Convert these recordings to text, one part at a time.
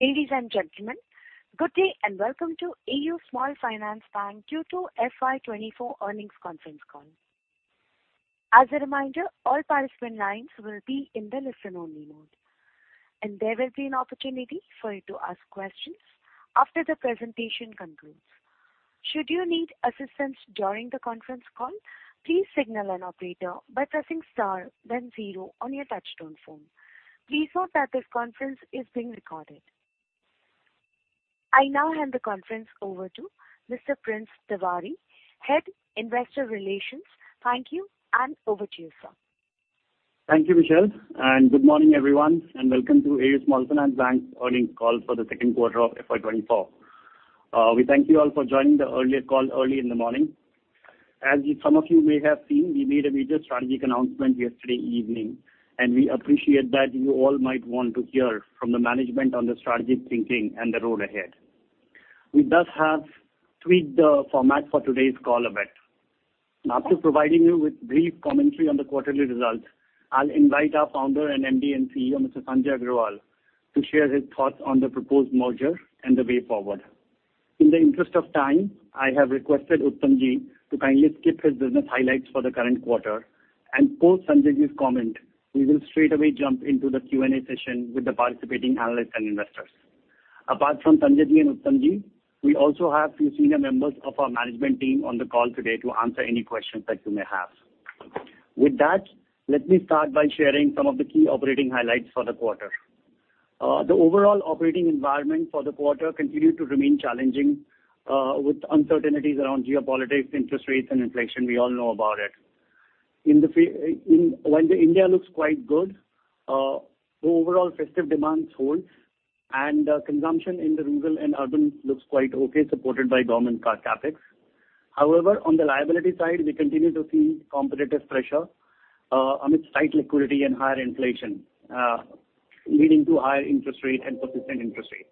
Ladies and gentlemen, good day, and welcome to AU Small Finance Bank Q2 FY24 earnings conference call. As a reminder, all participant lines will be in the listen-only mode, and there will be an opportunity for you to ask questions after the presentation concludes. Should you need assistance during the conference call, please signal an operator by pressing star, then zero on your touchtone phone. Please note that this conference is being recorded. I now hand the conference over to Mr. Prince Tiwari, Head, Investor Relations. Thank you, and over to you, sir. Thank you, Michelle, and good morning, everyone, and welcome to AU Small Finance Bank's earnings call for the second quarter of FY 2024. We thank you all for joining the earlier call early in the morning. As some of you may have seen, we made a major strategic announcement yesterday evening, and we appreciate that you all might want to hear from the management on the strategic thinking and the road ahead. We thus have tweaked the format for today's call a bit. After providing you with brief commentary on the quarterly results, I'll invite our founder and MD & CEO, Mr. Sanjay Agarwal, to share his thoughts on the proposed merger and the way forward. In the interest of time, I have requested Uttam to kindly skip his business highlights for the current quarter, and post Sanjay's comment, we will straightaway jump into the Q&A session with the participating analysts and investors. Apart from Sanjay and Uttam, we also have few senior members of our management team on the call today to answer any questions that you may have. With that, let me start by sharing some of the key operating highlights for the quarter. The overall operating environment for the quarter continued to remain challenging, with uncertainties around geopolitics, interest rates, and inflation. We all know about it. While India looks quite good, overall festive demand holds, and consumption in the rural and urban looks quite okay, supported by government CapEx. However, on the liability side, we continue to see competitive pressure amidst tight liquidity and higher inflation, leading to higher interest rates and persistent interest rates.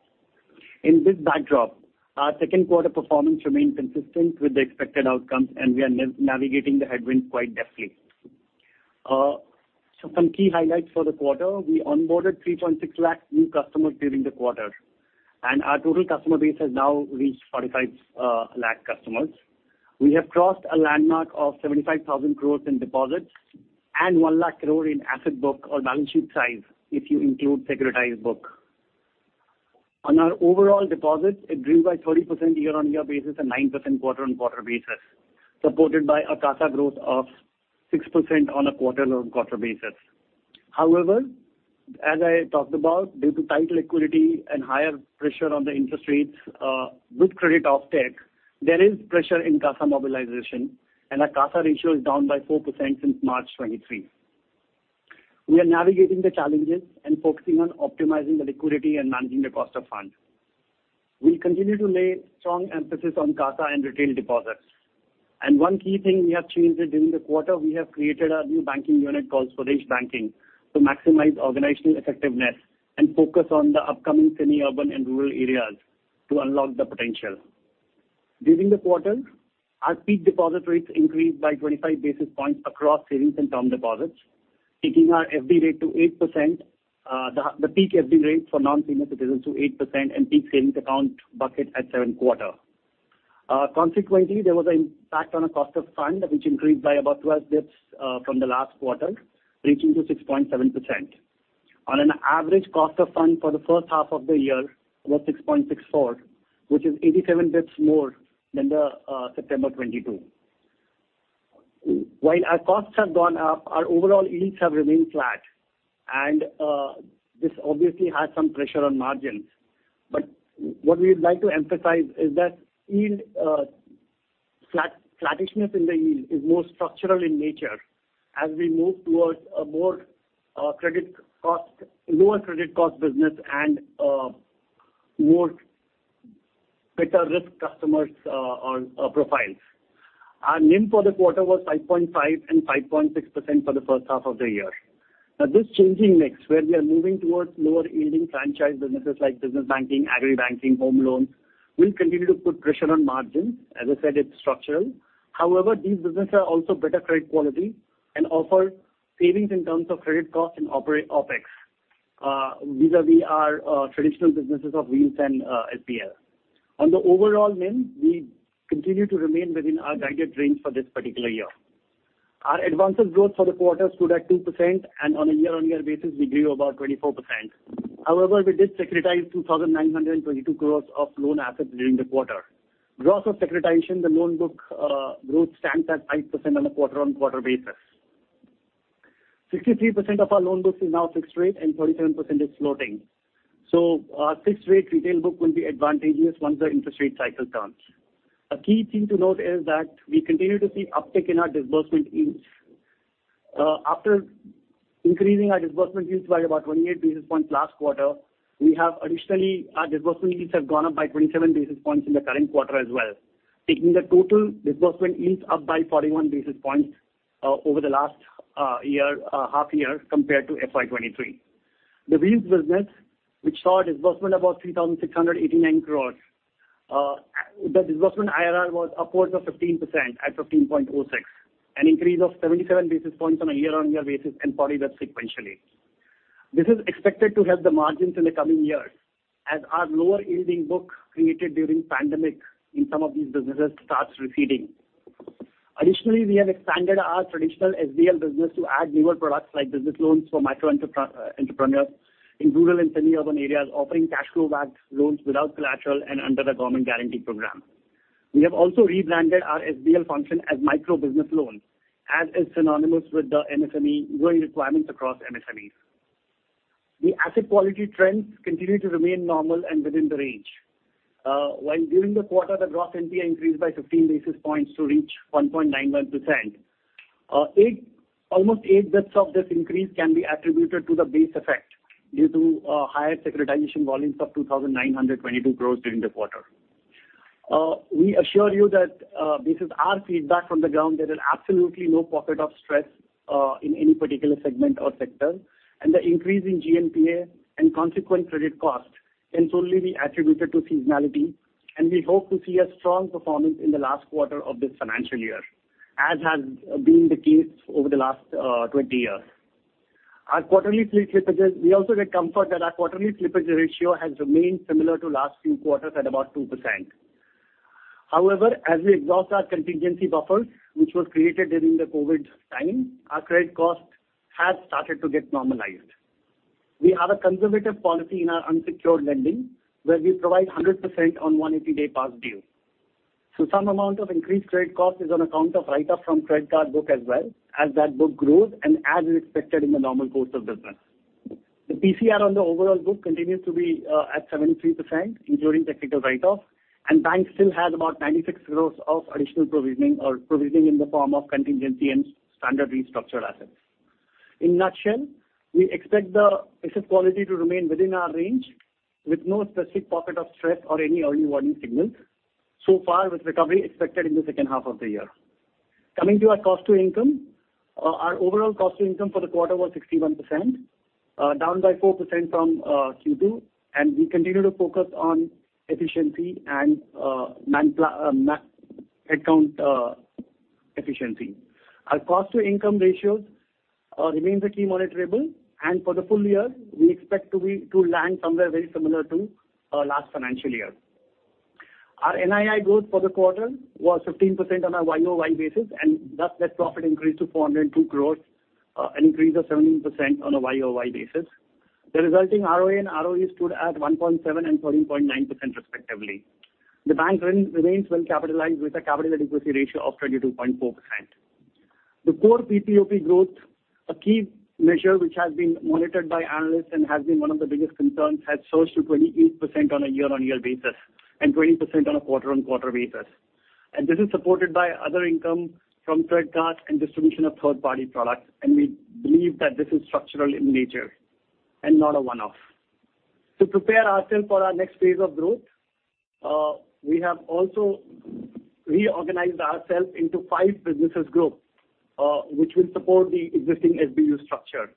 In this backdrop, our second quarter performance remains consistent with the expected outcomes, and we are navigating the headwinds quite deftly. So some key highlights for the quarter. We onboarded 3.6 lakh new customers during the quarter, and our total customer base has now reached 45 lakh customers. We have crossed a landmark of 75,000 crore in deposits and 100,000 crore in asset book or balance sheet size, if you include securitized book. On our overall deposits, it grew by 30% year-on-year basis and 9% quarter-on-quarter basis, supported by a CASA growth of 6% on a quarter-on-quarter basis. However, as I talked about, due to tight liquidity and higher pressure on the interest rates, with credit offtake, there is pressure in CASA mobilization, and our CASA ratio is down by 4% since March 2023. We are navigating the challenges and focusing on optimizing the liquidity and managing the cost of funds. We'll continue to lay strong emphasis on CASA and retail deposits. And one key thing we have changed during the quarter, we have created a new banking unit called Swadesh Banking, to maximize organizational effectiveness and focus on the upcoming semi-urban and rural areas to unlock the potential. During the quarter, our peak deposit rates increased by 25 basis points across savings and term deposits, taking our FD rate to 8%, the peak FD rate for non-senior citizens to 8% and peak savings account bucket at seven quarter. Consequently, there was an impact on our cost of fund, which increased by about 12 basis points from the last quarter, reaching to 6.7%. On an average cost of fund for the first half of the year was 6.64%, which is 87 basis points more than the September 2022. While our costs have gone up, our overall yields have remained flat and this obviously has some pressure on margins. But what we'd like to emphasize is that yield flattishness in the yield is more structural in nature as we move towards a more credit cost lower credit cost business and more better risk customers on profiles. Our NIM for the quarter was 5.5% and 5.6% for the first half of the year. Now, this changing mix, where we are moving towards lower-yielding franchise businesses like business banking, agri banking, home loans, will continue to put pressure on margins. As I said, it's structural. However, these businesses are also better credit quality and offer savings in terms of credit cost and operate OpEx vis-a-vis our traditional businesses of wheels and SBL. On the overall NIM, we continue to remain within our guided range for this particular year. Our advances growth for the quarter stood at 2%, and on a year-on-year basis, we grew about 24%. However, we did securitize 2,922 crore of loan assets during the quarter. Gross of securitization, the loan book growth stands at 5% on a quarter-on-quarter basis. 63% of our loan book is now fixed rate and 37% is floating. Our fixed rate retail book will be advantageous once the interest rate cycle turns. A key thing to note is that we continue to see uptick in our disbursement yields. After increasing our disbursement yields by about 28 basis points last quarter, we have additionally, our disbursement yields have gone up by 27 basis points in the current quarter as well, taking the total disbursement yields up by 41 basis points over the last year half year compared to FY 2023. The wheels business, which saw a disbursement about 3,689 crore, the disbursement IRR was upwards of 15% at 15.06, an increase of 77 basis points on a year-on-year basis, and 48 sequentially. This is expected to help the margins in the coming years, as our lower-yielding book created during pandemic in some of these businesses starts receding. Additionally, we have expanded our traditional SBL business to add newer products like business loans for micro entrepreneurs in rural and semi-urban areas, offering cash flow-backed loans without collateral and under the government guarantee program. We have also rebranded our SBL function as micro business loans, as is synonymous with the MSME growing requirements across MSMEs. The asset quality trends continue to remain normal and within the range. While during the quarter, the gross NPA increased by 15 basis points to reach 1.91%. Almost eight basis points of this increase can be attributed to the base effect due to higher securitization volumes of 2,922 crore during the quarter. We assure you that this is our feedback from the ground. There is absolutely no pocket of stress in any particular segment or sector, and the increase in GNPA and consequent credit cost can solely be attributed to seasonality, and we hope to see a strong performance in the last quarter of this financial year, as has been the case over the last 20 years. Our quarterly slippages. We also get comfort that our quarterly slippage ratio has remained similar to last few quarters at about 2%. However, as we exhaust our contingency buffers, which were created during the COVID time, our credit cost has started to get normalized. We have a conservative policy in our unsecured lending, where we provide 100% on 180-day past due. So some amount of increased credit cost is on account of write-off from credit card book as well, as that book grows and as is expected in the normal course of business. The PCR on the overall book continues to be at 73%, including technical write-off, and bank still has about 96 crore of additional provisioning or provisioning in the form of contingency and standard restructured assets. In a nutshell, we expect the asset quality to remain within our range, with no specific pocket of stress or any early warning signals. So far, with recovery expected in the second half of the year. Coming to our cost to income, our overall cost to income for the quarter was 61%, down by 4% from Q2, and we continue to focus on efficiency and head count efficiency. Our cost to income ratios remains a key monitorable, and for the full year, we expect to be, to land somewhere very similar to last financial year. Our NII growth for the quarter was 15% on a year-over-year basis, and thus, net profit increased to 402 crore, an increase of 17% on a year-over-year basis. The resulting ROA and ROE stood at 1.7% and 13.9% respectively. The bank remains well capitalized with a capital adequacy ratio of 22.4%. The core PPOP growth, a key measure which has been monitored by analysts and has been one of the biggest concerns, has surged to 28% on a year-on-year basis and 20% on a quarter-on-quarter basis. And this is supported by other income from credit cards and distribution of third-party products, and we believe that this is structural in nature and not a one-off. To prepare ourselves for our next phase of growth, we have also reorganized ourselves into five businesses group, which will support the existing SBU structure.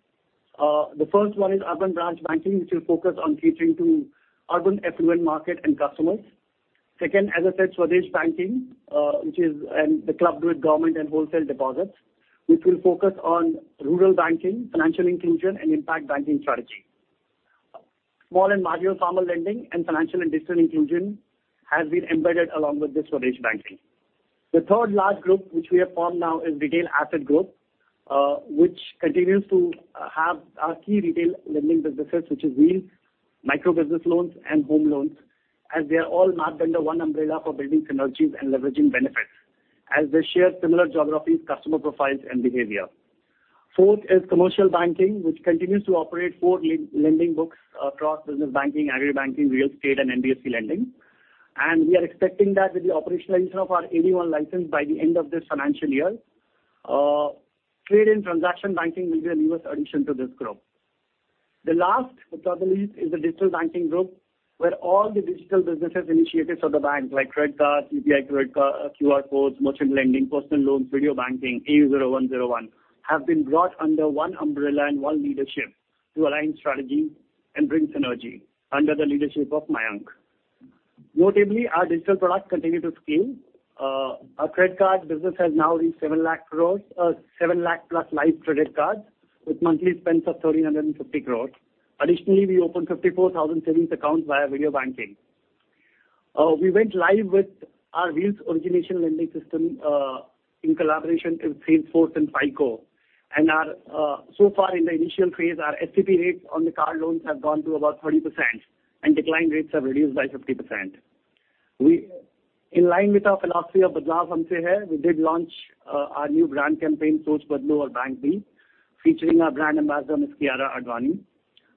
The first one is urban branch banking, which will focus on catering to urban affluent market and customers. Second, as I said, Swades banking, which is, and clubbed with government and wholesale deposits, which will focus on rural banking, financial inclusion, and impact banking strategy. Small and marginal farmer lending and financial and digital inclusion has been embedded along with this Swades banking. The third large group, which we have formed now, is retail asset group, which continues to have our key retail lending businesses, which is Wheels, micro business loans, and home loans, as they are all mapped under one umbrella for building synergies and leveraging benefits, as they share similar geographies, customer profiles, and behavior. Fourth is commercial banking, which continues to operate four lending books across business banking, agri banking, real estate, and NBFC lending. We are expecting that with the operationalization of our AD1 license by the end of this financial year, trade and transaction banking will be the newest addition to this group. The last, which I believe, is the digital banking group, where all the digital business initiatives of the bank, like credit cards, UPI, credit card, QR codes, merchant lending, personal loans, video banking, AU 0101, have been brought under one umbrella and one leadership to align strategy and bring synergy under the leadership of Mayank. Notably, our digital products continue to scale. Our credit card business has now reached 700,000+ live credit cards, with monthly spends of 1,350 crore. Additionally, we opened 54,000 savings accounts via video banking. We went live with our Wheels origination lending system, in collaboration with Salesforce and FICO. So far in the initial phase, our STP rates on the car loans have gone to about 40% and decline rates have reduced by 50%. In line with our philosophy of Badlaav Humse Hai, we did launch our new brand campaign, Soch Badlo Aur Bank Bhi featuring our brand ambassador, Miss Kiara Advani.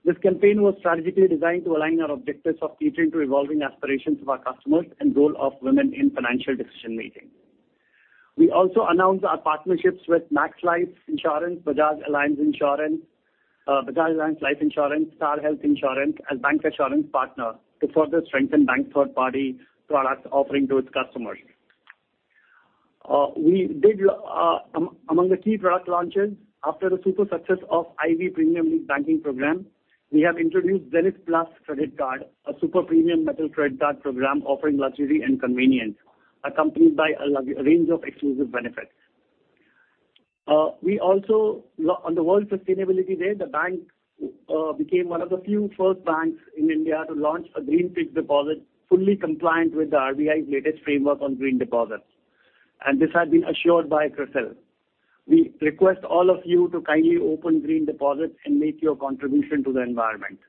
This campaign was strategically designed to align our objectives of catering to evolving aspirations of our customers and role of women in financial decision-making. We also announced our partnerships with Max Life Insurance, Bajaj Allianz General Insurance, Bajaj Allianz Life Insurance, Star Health Insurance, as bank assurance partner to further strengthen bank third-party products offering to its customers. Among the key product launches, after the super success of Ivy Premium League banking program, we have introduced Zenith Plus credit card, a super premium metal credit card program offering luxury and convenience, accompanied by a range of exclusive benefits. We also, on the World Sustainability Day, the bank became one of the few first banks in India to launch a green fixed deposit, fully compliant with the RBI's latest framework on green deposits, and this has been assured by CRISIL. We request all of you to kindly open green deposits and make your contribution to the environment.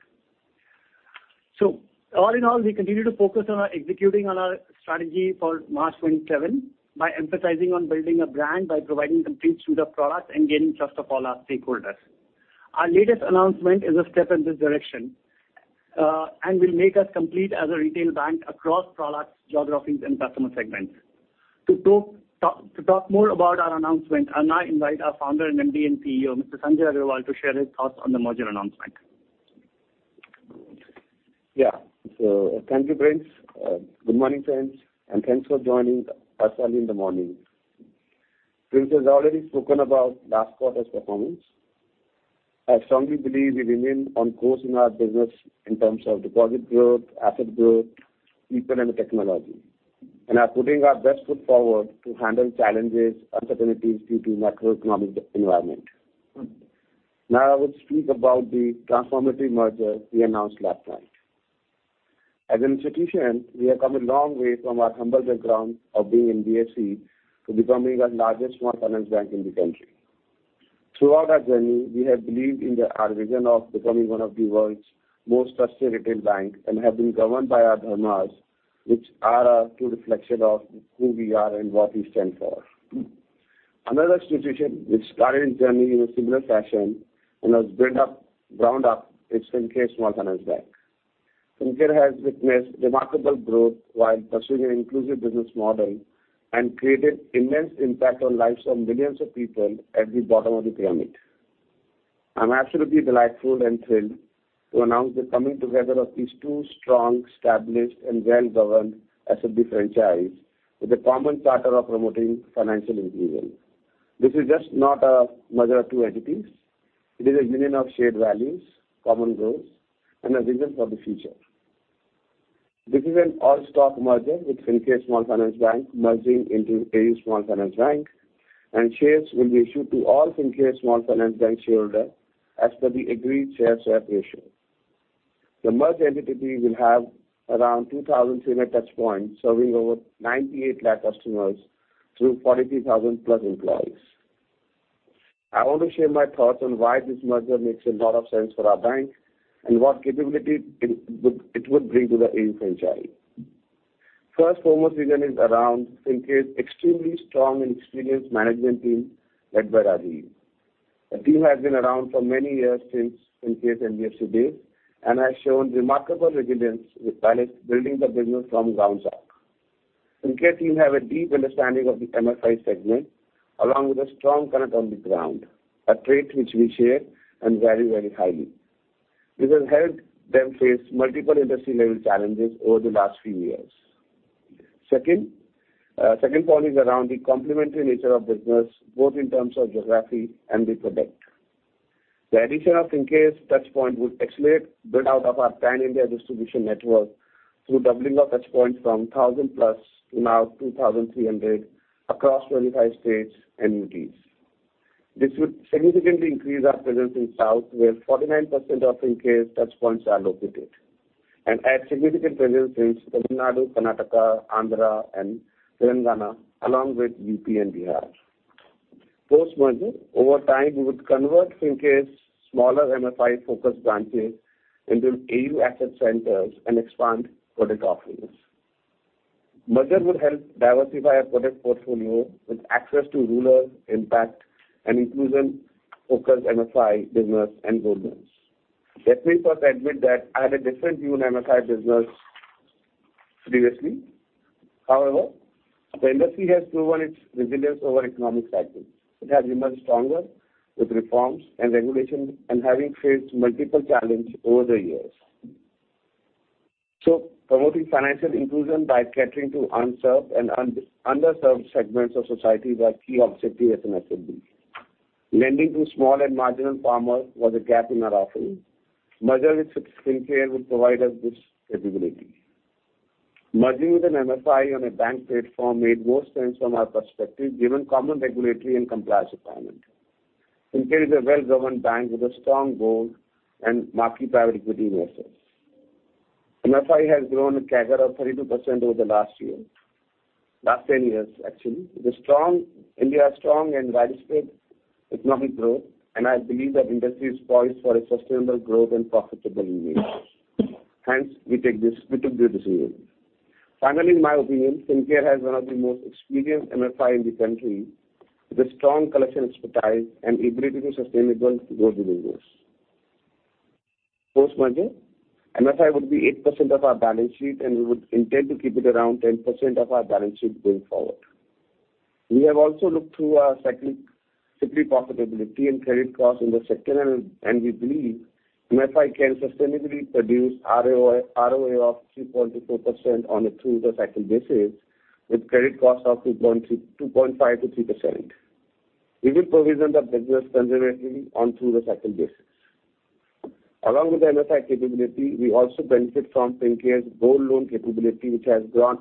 So all in all, we continue to focus on executing on our strategy for March 27, by emphasizing on building a brand, by providing complete suite of products, and gaining trust of all our stakeholders. Our latest announcement is a step in this direction, and will make us complete as a retail bank across products, geographies, and customer segments. To talk more about our announcement, I now invite our founder and MD and CEO, Mr. Sanjay Agarwal, to share his thoughts on the merger announcement. Yeah. Thank you, Prince. Good morning, friends, and thanks for joining us early in the morning. Prince has already spoken about last quarter's performance. I strongly believe we remain on course in our business in terms of deposit growth, asset growth, people, and technology, and are putting our best foot forward to handle challenges, uncertainties due to macroeconomic environment. Now, I will speak about the transformative merger we announced last night. As an institution, we have come a long way from our humble background of being in NBFC to becoming the largest Small Finance Bank in the country. Throughout our journey, we have believed in our vision of becoming one of the world's most trusted retail bank, and have been governed by our dharmas, which are a true reflection of who we are and what we stand for. Another institution which started its journey in a similar fashion and has built up, ground up, is Fincare Small Finance Bank. Fincare has witnessed remarkable growth while pursuing an inclusive business model, and created immense impact on lives of millions of people at the bottom of the pyramid. I'm absolutely delighted and thrilled to announce the coming together of these two strong, established, and well-governed SFB franchises, with a common charter of promoting financial inclusion. This is just not a merger of two entities. It is a union of shared values, common goals, and a vision for the future. This is an all-stock merger, with Fincare Small Finance Bank merging into AU Small Finance Bank, and shares will be issued to all Fincare Small Finance Bank shareholders as per the agreed share swap ratio. The merged entity will have around 2,000 senior touchpoints, serving over 98 lakh customers through 43,000 plus employees. I want to share my thoughts on why this merger makes a lot of sense for our bank, and what capability it would, it would bring to the AU franchise. First foremost reason is around Fincare's extremely strong and experienced management team, led by Rajeev. The team has been around for many years since Fincare's NBFC days, and has shown remarkable resilience with balance, building the business from ground up. Fincare team have a deep understanding of the MFI segment, along with a strong connect on the ground, a trait which we share and value very highly. This has helped them face multiple industry-level challenges over the last few years. Second, second point is around the complementary nature of business, both in terms of geography and the product. The addition of Fincare's touchpoint would accelerate build-out of our pan-India distribution network through doubling of touchpoints from 1,000+ to now 2,300 across 25 states and UTs. This would significantly increase our presence in South, where 49% of Fincare's touchpoints are located, and add significant presence in Tamil Nadu, Karnataka, Andhra, and Telangana, along with UP and Bihar. Post-merger, over time, we would convert Fincare's smaller MFI-focused branches into AU asset centers and expand product offerings. Merger would help diversify our product portfolio with access to rural impact and inclusion-focused MFI business and government. Let me first admit that I had a different view on MFI business previously. However, the industry has proven its resilience over economic cycles. It has emerged stronger with reforms and regulation and having faced multiple challenges over the years. Promoting financial inclusion by catering to unserved and underserved segments of society was a key objective as an SFB. Lending to small and marginal farmers was a gap in our offering. Merger with Fincare would provide us this capability. Merging with an MFI on a bank platform made more sense from our perspective, given common regulatory and compliance requirement. Fincare is a well-governed bank with a strong board and market private equity investors. MFI has grown a CAGR of 32% over the last year, last 10 years, actually. The strong India has strong and widespread economic growth, and I believe that industry is poised for a sustainable growth and profitable in years. Hence, we took the decision. Finally, in my opinion, Fincare has one of the most experienced MFI in the country, with a strong collection expertise and ability to sustain it over the years. Post-merger, MFI would be 8% of our balance sheet, and we would intend to keep it around 10% of our balance sheet going forward. We have also looked through our cyclicality, simply profitability and credit costs in the second half, and we believe MFI can sustainably produce ROI, ROA of 3.4% on a through the cycle basis, with credit costs of 2.2 to 2.5-3%. We will provision the business conservatively on through the cycle basis. Along with the MFI capability, we also benefit from Fincare's gold loan capability, which has grown,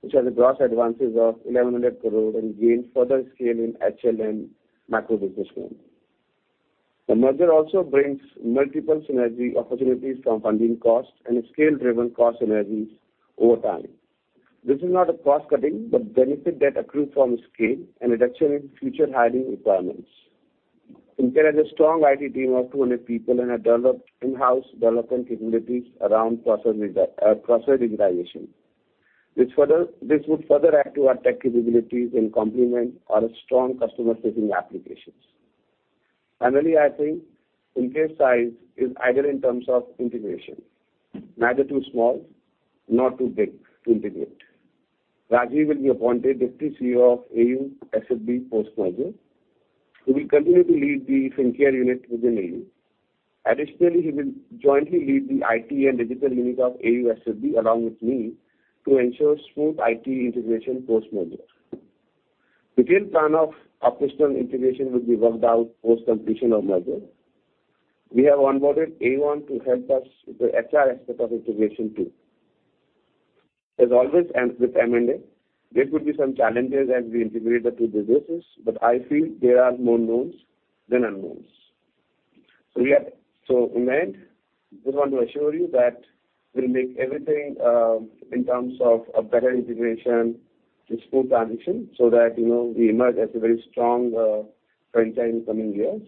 which has a gross advances of 1,100 crore and gained further scale in HLM micro business loan. The merger also brings multiple synergy opportunities from funding costs and scale-driven cost synergies over time. This is not a cost cutting, but benefit that accrue from scale and reduction in future hiring requirements. Fincare has a strong IT team of 200 people and have developed in-house development capabilities around process digitization. This would further add to our tech capabilities and complement our strong customer-facing applications. Finally, I think Fincare's size is ideal in terms of integration, neither too small, nor too big to integrate. Rajeev will be appointed Deputy CEO of AU SFB post-merger. He will continue to lead the Fincare unit within AU. Additionally, he will jointly lead the IT and digital unit of AU SFB, along with me, to ensure smooth IT integration post-merger. Detailed plan of operational integration will be worked out post completion of merger. We have onboarded Aon Hewitt to help us with the HR aspect of integration, too. As always, with M&A, there could be some challenges as we integrate the two businesses, but I feel there are more knowns than unknowns. In the end, just want to assure you that we'll make everything in terms of a better integration and smooth transition, so that, you know, we emerge as a very strong franchise in coming years.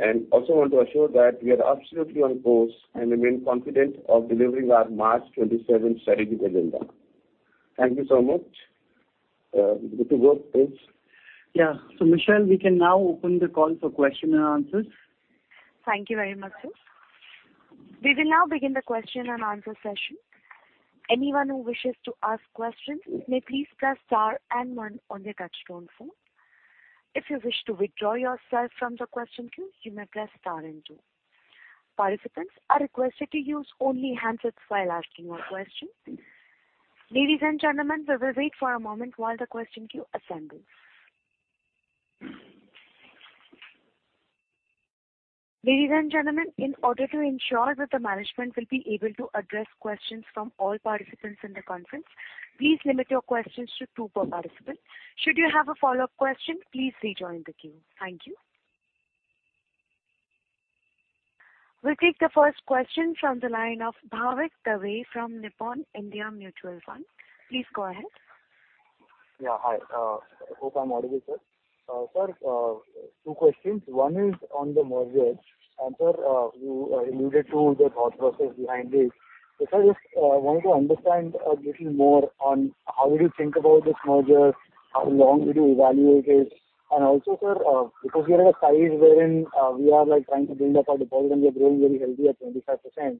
I also want to assure that we are absolutely on course, and remain confident of delivering our March 27 strategic agenda. Thank you so much. Good to work, please. Yeah. So, Michelle, we can now open the call for question and answers. Thank you very much, sir. We will now begin the question and answer session. Anyone who wishes to ask questions may please press star and one on their touchtone phone. If you wish to withdraw yourself from the question queue, you may press star and two. Participants are requested to use only handsets while asking your question. Ladies and gentlemen, we will wait for a moment while the question queue assembles. Ladies and gentlemen, in order to ensure that the management will be able to address questions from all participants in the conference, please limit your questions to two per participant. Should you have a follow-up question, please rejoin the queue. Thank you. We'll take the first question from the line of Bhavik Dave from Nippon India Mutual Fund. Please go ahead. Yeah, hi. Hope I'm audible, sir. Sir, two questions. One is on the merger, and, sir, you alluded to the thought process behind it. So sir, just wanted to understand a little more on how did you think about this merger? How long did you evaluate it? And also, sir, because we are at a size wherein we are, like, trying to build up our deposit, and we are growing very healthy at 25%.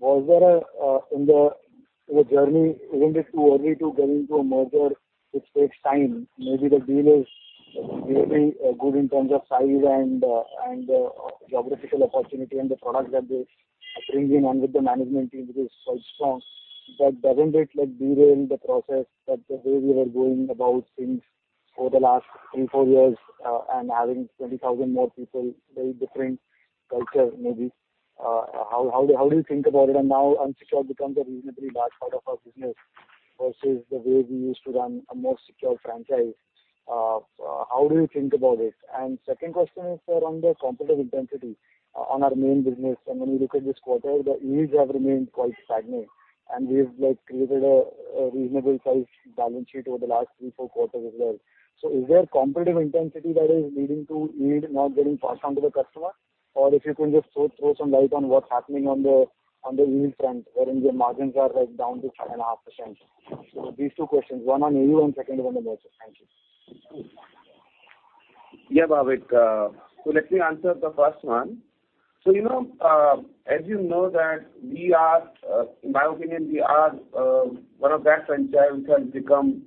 Was there, in the journey, isn't it too early to get into a merger, which takes time? Maybe the deal is really good in terms of size and geographical opportunity and the product that they are bringing in, along with the management team, which is quite strong. But doesn't it, like, derail the process that the way we were going about things over the last three to four years, and adding 20,000 more people, very different culture, maybe? How do you think about it? And now, unsecured becomes a reasonably large part of our business versus the way we used to run a more secured franchise. How do you think about this? And second question is, sir, on the competitive intensity on our main business. And when we look at this quarter, the yields have remained quite stagnant, and we've, like, created a reasonable size balance sheet over the last three to four quarters as well. So is there competitive intensity that is leading to yield not getting passed on to the customer? Or, if you could just throw some light on what's happening on the yield front, wherein the margins are, like, down to 7.5%. So these two questions, one on yield and second one on the merger. Thank you. Yeah, Bhavik, so let me answer the first one. So, you know, as you know that we are, in my opinion, we are, one of that franchise which has become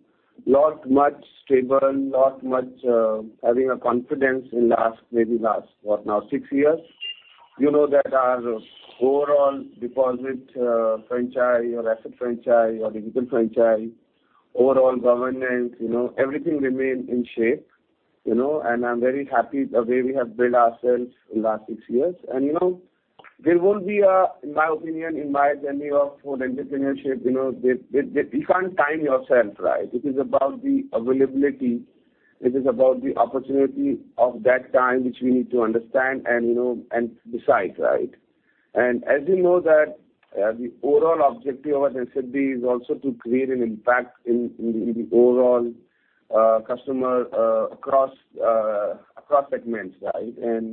lot much stable, lot much, having a confidence in the last, maybe last six years. You know that our overall deposit franchise or asset franchise or digital franchise, overall governance, you know, everything remain in shape, you know, and I'm very happy the way we have built ourselves in the last six years. And, you know, there will be a in my opinion, in my journey of for entrepreneurship, you know, you can't time yourself, right? It is about the availability, it is about the opportunity of that time, which we need to understand and, you know, and decide, right? As you know that, the overall objective of SFB is also to create an impact in the overall customer across segments, right?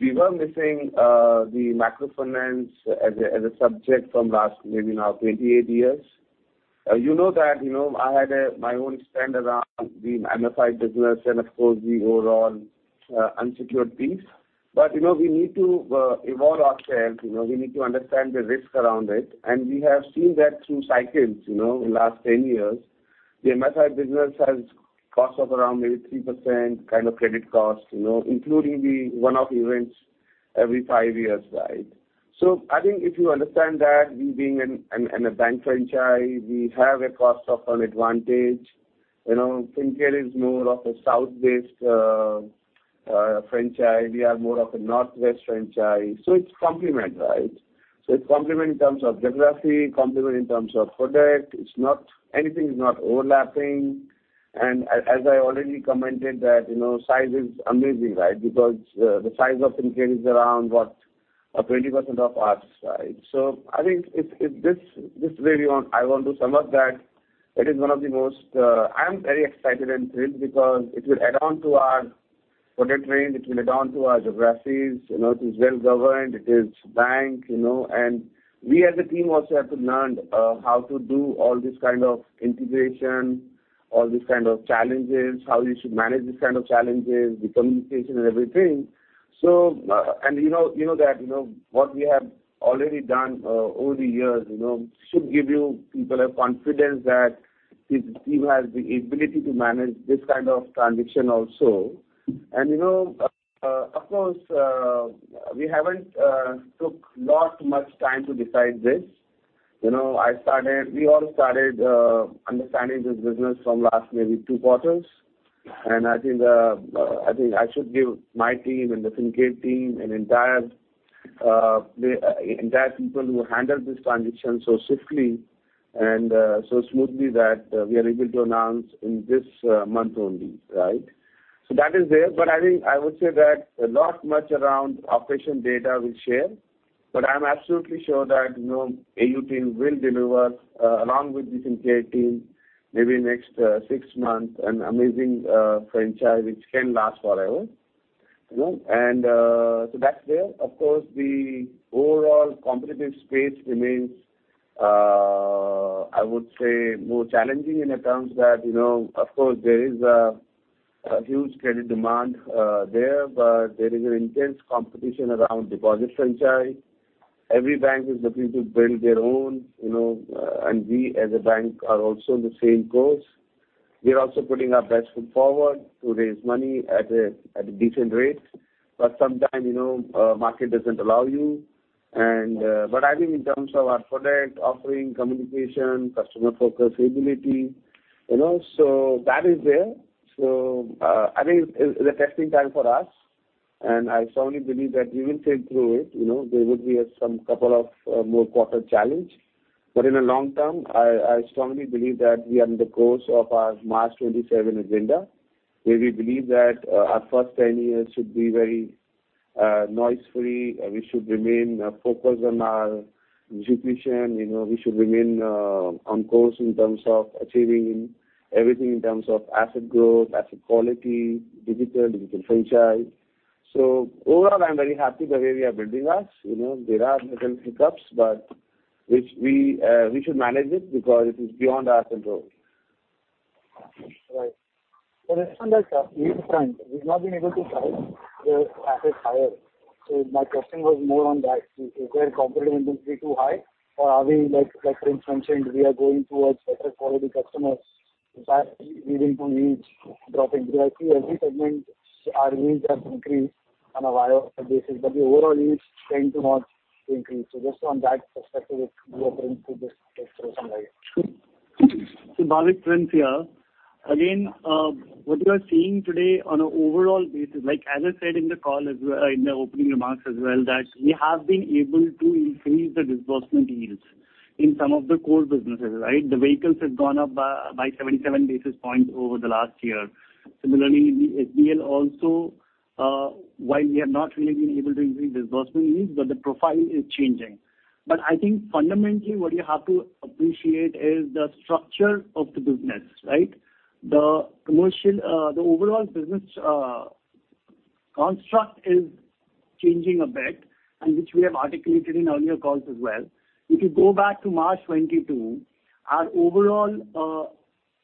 We were missing the microfinance as a subject for the last maybe 28 years. You know that, you know, I had my own stance around the MFI business and, of course, the overall unsecured piece. But, you know, we need to evolve ourselves, you know, we need to understand the risk around it, and we have seen that through cycles, you know, in the last 10 years... The MFI business has cost of around maybe 3% kind of credit cost, you know, including the one-off events every 5 years, right? So I think if you understand that we being a bank franchise, we have a cost of an advantage. You know, Fincare is more of a south-based franchise. We are more of a northwest franchise, so it's complement, right? So it's complement in terms of geography, complement in terms of product. It's not, anything is not overlapping. And as I already commented that, you know, size is amazing, right? Because the size of Fincare is around, what? 20% of ours, right. So I think—I want to sum up that it is one of the most... I'm very excited and thrilled because it will add on to our product range, it will add on to our geographies. You know, it is well-governed, it is bank, you know, and we as a team also have to learn how to do all this kind of integration, all these kind of challenges, how you should manage these kind of challenges, the communication and everything. So, and you know, you know that, you know, what we have already done over the years, you know, should give you people a confidence that this team has the ability to manage this kind of transition also. And, you know, of course, we haven't took not much time to decide this. You know, I started-- we all started understanding this business from last maybe two quarters. I think I should give my team and the Fincare team the entire people who handled this transition so swiftly and so smoothly that we are able to announce in this month only, right? So that is there, but I think I would say that a lot, much around operation data we'll share, but I'm absolutely sure that, you know, AU team will deliver along with the Fincare team, maybe next six months, an amazing franchise which can last forever, you know? And so that's there. Of course, the overall competitive space remains, I would say more challenging in the terms that, you know, of course, there is a huge credit demand there, but there is an intense competition around deposit franchise. Every bank is looking to build their own, you know, and we as a bank are also on the same course. We are also putting our best foot forward to raise money at a decent rate. But sometimes, you know, market doesn't allow you. And, but I think in terms of our product offering, communication, customer focus, ability, you know, so that is there. So, I think it's a testing time for us, and I strongly believe that we will sail through it. You know, there will be some couple of more quarter challenges. But in the long term, I strongly believe that we are on the course of our March 2027 agenda, where we believe that our first 10 years should be very noise-free. We should remain focused on our execution. You know, we should remain on course in terms of achieving everything in terms of asset growth, asset quality, digital, digital franchise. So overall, I'm very happy the way we are building us. You know, there are little hiccups, but which we, we should manage it because it is beyond our control. Right. But it's not like we've done. We've not been able to drive the assets higher. So my question was more on that. Is our competitive industry too high, or are we, like, like mentioned, we are going towards better quality customers, in fact, leading to yields dropping? Because I see every segment, our yields have increased on a YO basis, but the overall yields tend to not increase. So just on that perspective, if you are going to just summarize. Bhavik, Prince here. Again, what we are seeing today on an overall basis, like as I said in the call as well, in the opening remarks as well, that we have been able to increase the disbursement yields in some of the core businesses, right? The vehicles have gone up by 77 basis points over the last year. Similarly, the SDL also, while we have not really been able to increase disbursement yields, but the profile is changing. I think fundamentally what you have to appreciate is the structure of the business, right? The commercial, the overall business, construct is changing a bit, and which we have articulated in earlier calls as well. If you go back to March 2022, our overall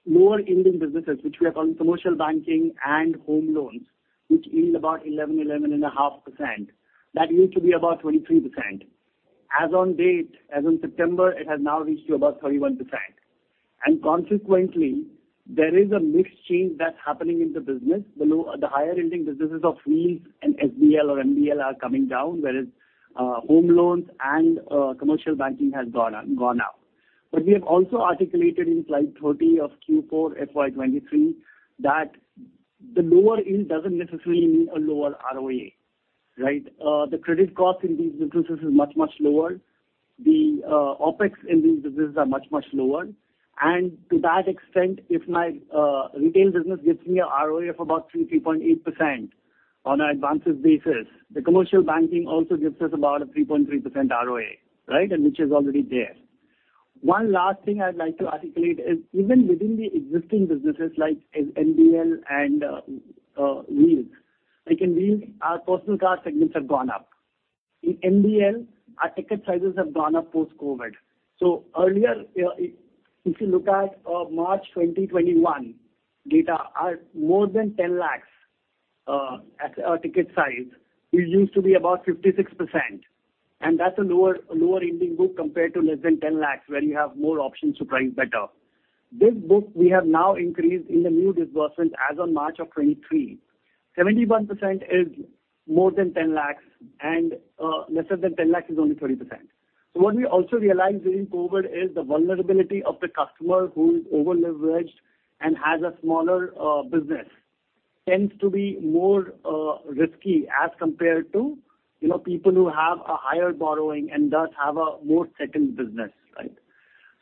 lower-yielding businesses, which we have on commercial banking and home loans, which yield about 11%,11.5%, that used to be about 23%. As on date, as on September, it has now reached to about 31%. And consequently, there is a mix change that's happening in the business. The low- the higher-yielding businesses of Wheels and SDL or NDL are coming down, whereas home loans and commercial banking has gone up, gone up. But we have also articulated in slide 30 of Q4 FY 2023, that the lower yield doesn't necessarily mean a lower ROA, right? The credit cost in these businesses is much, much lower. The OpEx in these businesses are much, much lower. To that extent, if my retail business gives me a ROA of about 3.8% on an advances basis, the commercial banking also gives us about a 3.3% ROA, right? And which is already there. One last thing I'd like to articulate is, even within the existing businesses like NDL and Wheels, like in Wheels, our personal car segments have gone up. In NDL, our ticket sizes have gone up post-COVID. So earlier, if you look at March 2021 data, our more than 10 lakhs ticket size, it used to be about 56%, and that's a lower ending book compared to less than 10 lakhs, where you have more options to price better. This book, we have now increased in the new disbursements as on March 2023. 71% is more than 10 lakhs, and lesser than 10 lakhs is only 20%. So what we also realized during COVID is the vulnerability of the customer who is over-leveraged and has a smaller business tends to be more risky as compared to, you know, people who have a higher borrowing and thus have a more second business, right?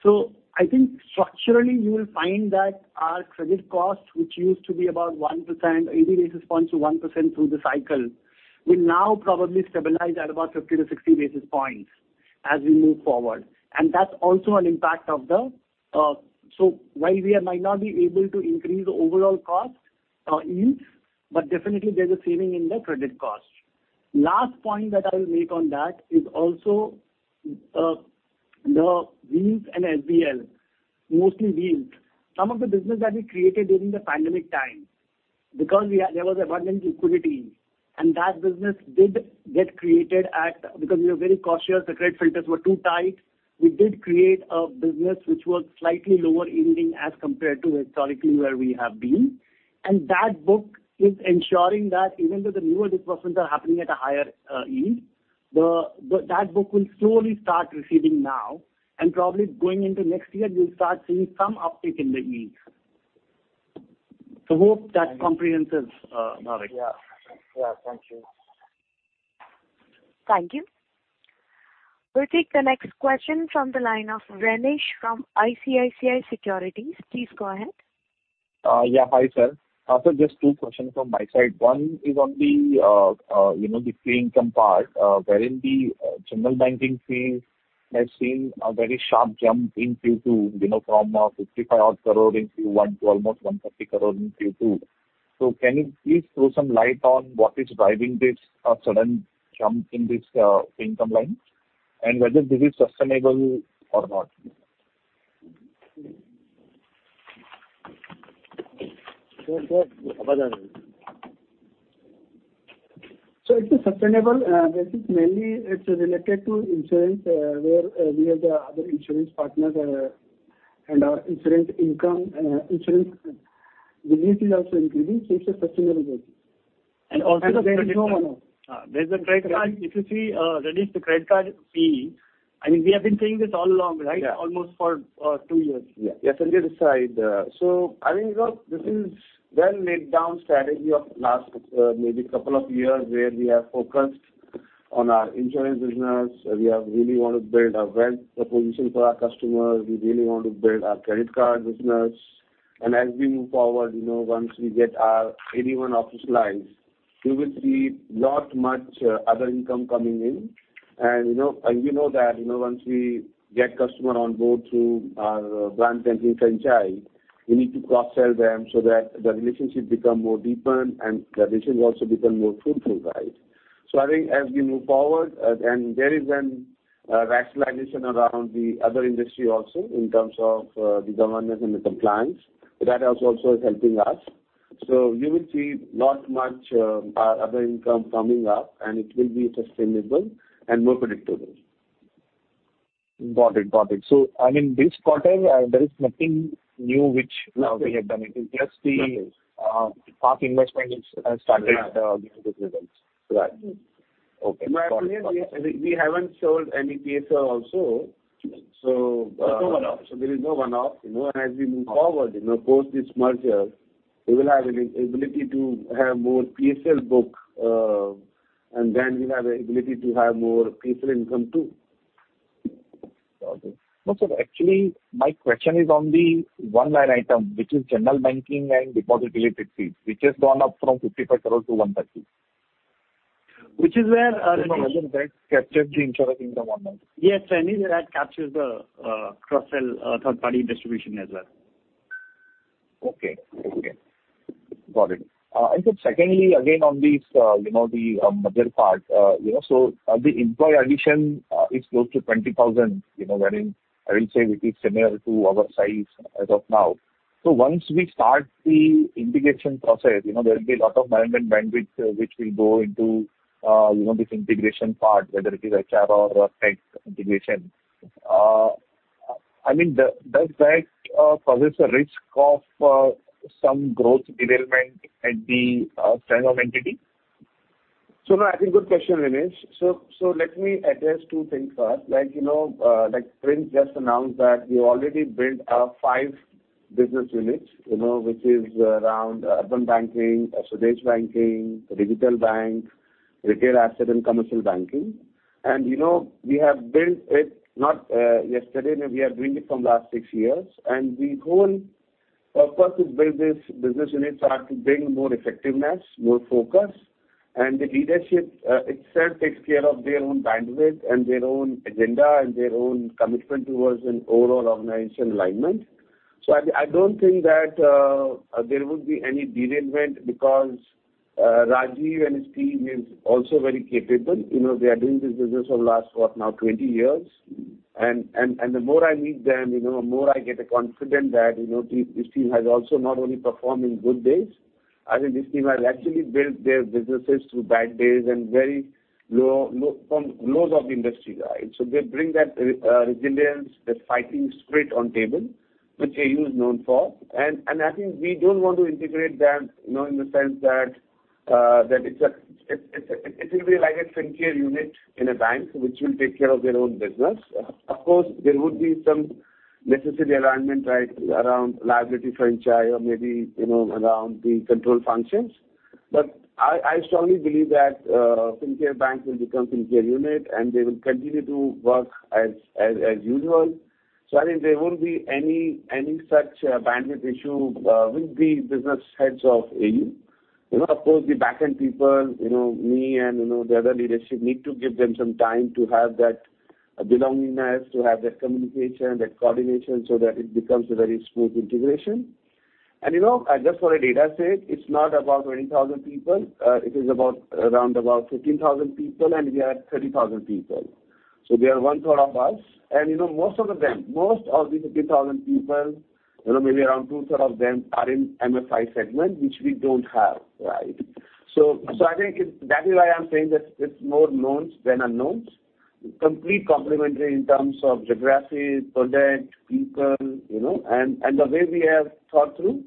So I think structurally, you will find that our credit cost, which used to be about 1%, 80 basis points to 1% through the cycle, will now probably stabilize at about 50-60 basis points as we move forward. And that's also an impact of the. So while we are might not be able to increase the overall cost yield, but definitely there's a saving in the credit cost. Last point that I will make on that is also the yields and SBL, mostly yields. Some of the business that we created during the pandemic time, because there was abundant liquidity, and that business did get created, because we were very cautious, the credit filters were too tight. We did create a business which was slightly lower yielding as compared to historically where we have been. And that book is ensuring that even though the newer disbursements are happening at a higher yield, that book will slowly start receiving now, and probably going into next year, we'll start seeing some uptick in the yield. So hope that comprehends, Vivek. Yeah. Yeah, thank you. Thank you. We'll take the next question from the line of Renish from ICICI Securities. Please go ahead. Yeah, hi, sir. So just two questions from my side. One is on the, you know, the fee income part, wherein the general banking fee has seen a very sharp jump in Q2, you know, from INR 55 odd crore in Q1 to almost 150 crore in Q2. So can you please throw some light on what is driving this sudden jump in this income line? And whether this is sustainable or not. So it's a sustainable business. Mainly, it's related to insurance, where we have the other insurance partners, and our insurance income, insurance business is also increasing, so it's a sustainable business. Also, there is no... there's a credit card. If you see, Rinesh, the credit card fee, I mean, we have been saying this all along, right? Yeah. Almost for two years. Yeah. Yes, and this side, so I think, you know, this is well laid down strategy of last, maybe couple of years, where we have focused on our insurance business. We have really want to build a wealth proposition for our customers. We really want to build our credit card business. And as we move forward, you know, once we get our AD1 license, you will see lot much, other income coming in. And you know, and we know that, you know, once we get customer on board through our branch and franchise, we need to cross-sell them so that the relationship become more deeper and the relationship also become more fruitful, right? So I think as we move forward, and there is an, rationalization around the other industry also in terms of, the governance and the compliance, that is also is helping us. You will see lot much, other income coming up, and it will be sustainable and more predictable. Got it. Got it. So I mean, this quarter, there is nothing new which- Nothing. We have done. It is just the past investments has started giving good results. Right. Okay, got it. We haven't sold any PSL also, so- One off. There is no one-off. You know, as we move forward, you know, post this merger, we will have an ability to have more PSL book, and then we'll have the ability to have more PSL income, too. Got it. No, sir, actually, my question is on the one line item, which is general banking and deposit-related fees, which has gone up from 55 crore to 150 crore. Which is where, That captures the insurance income on that. Yes, and it captures the cross-sell, third party distribution as well. Okay. Okay, got it. And then secondly, again, on this, you know, the merger part, you know, so the employee addition is close to 20,000, you know, wherein I will say it is similar to our size as of now. So once we start the integration process, you know, there will be a lot of management bandwidth which will go into you know, this integration part, whether it is HR or tech integration. I mean, does that possess a risk of some growth derailment at the final entity? No, I think good question, Rinesh. Let me address two things first. Like, you know, like Prince just announced that we already built five business units, you know, which is around urban banking, overseas banking, digital bank, retail asset, and commercial banking. You know, we have built it not yesterday, we are doing it from last six years. The whole purpose to build this business units are to bring more effectiveness, more focus, and the leadership itself takes care of their own bandwidth and their own agenda and their own commitment towards an overall organization alignment. I don't think that there would be any derailment because Rajeev and his team is also very capable. You know, they are doing this business for last, what, now 20 years? And the more I meet them, you know, the more I get confident that, you know, this, this team has also not only performed in good days, I think this team has actually built their businesses through bad days and very low from lows of the industry, right? So they bring that resilience, that fighting spirit on table, which AU is known for. And I think we don't want to integrate them, you know, in the sense that it's a, it will be like a Fincare unit in a bank, which will take care of their own business. Of course, there would be some necessary alignment, right, around liability franchise or maybe, you know, around the control functions. But I strongly believe that Fincare Bank will become Fincare unit, and they will continue to work as usual. So I think there won't be any such bandwidth issue with the business heads of AU. You know, of course, the back-end people, you know, me and, you know, the other leadership need to give them some time to have that belongingness, to have that communication, that coordination, so that it becomes a very smooth integration. And, you know, just for a data set, it's not about 20,000 people, it is about around about 15,000 people, and we are 30,000 people. So they are one third of us. And, you know, most of them, most of the 15,000 people, you know, maybe around two third of them are in MFI segment, which we don't have, right? So, I think that is why I'm saying that it's more knowns than unknowns. Completely complementary in terms of geography, product, people, you know, and the way we have thought through,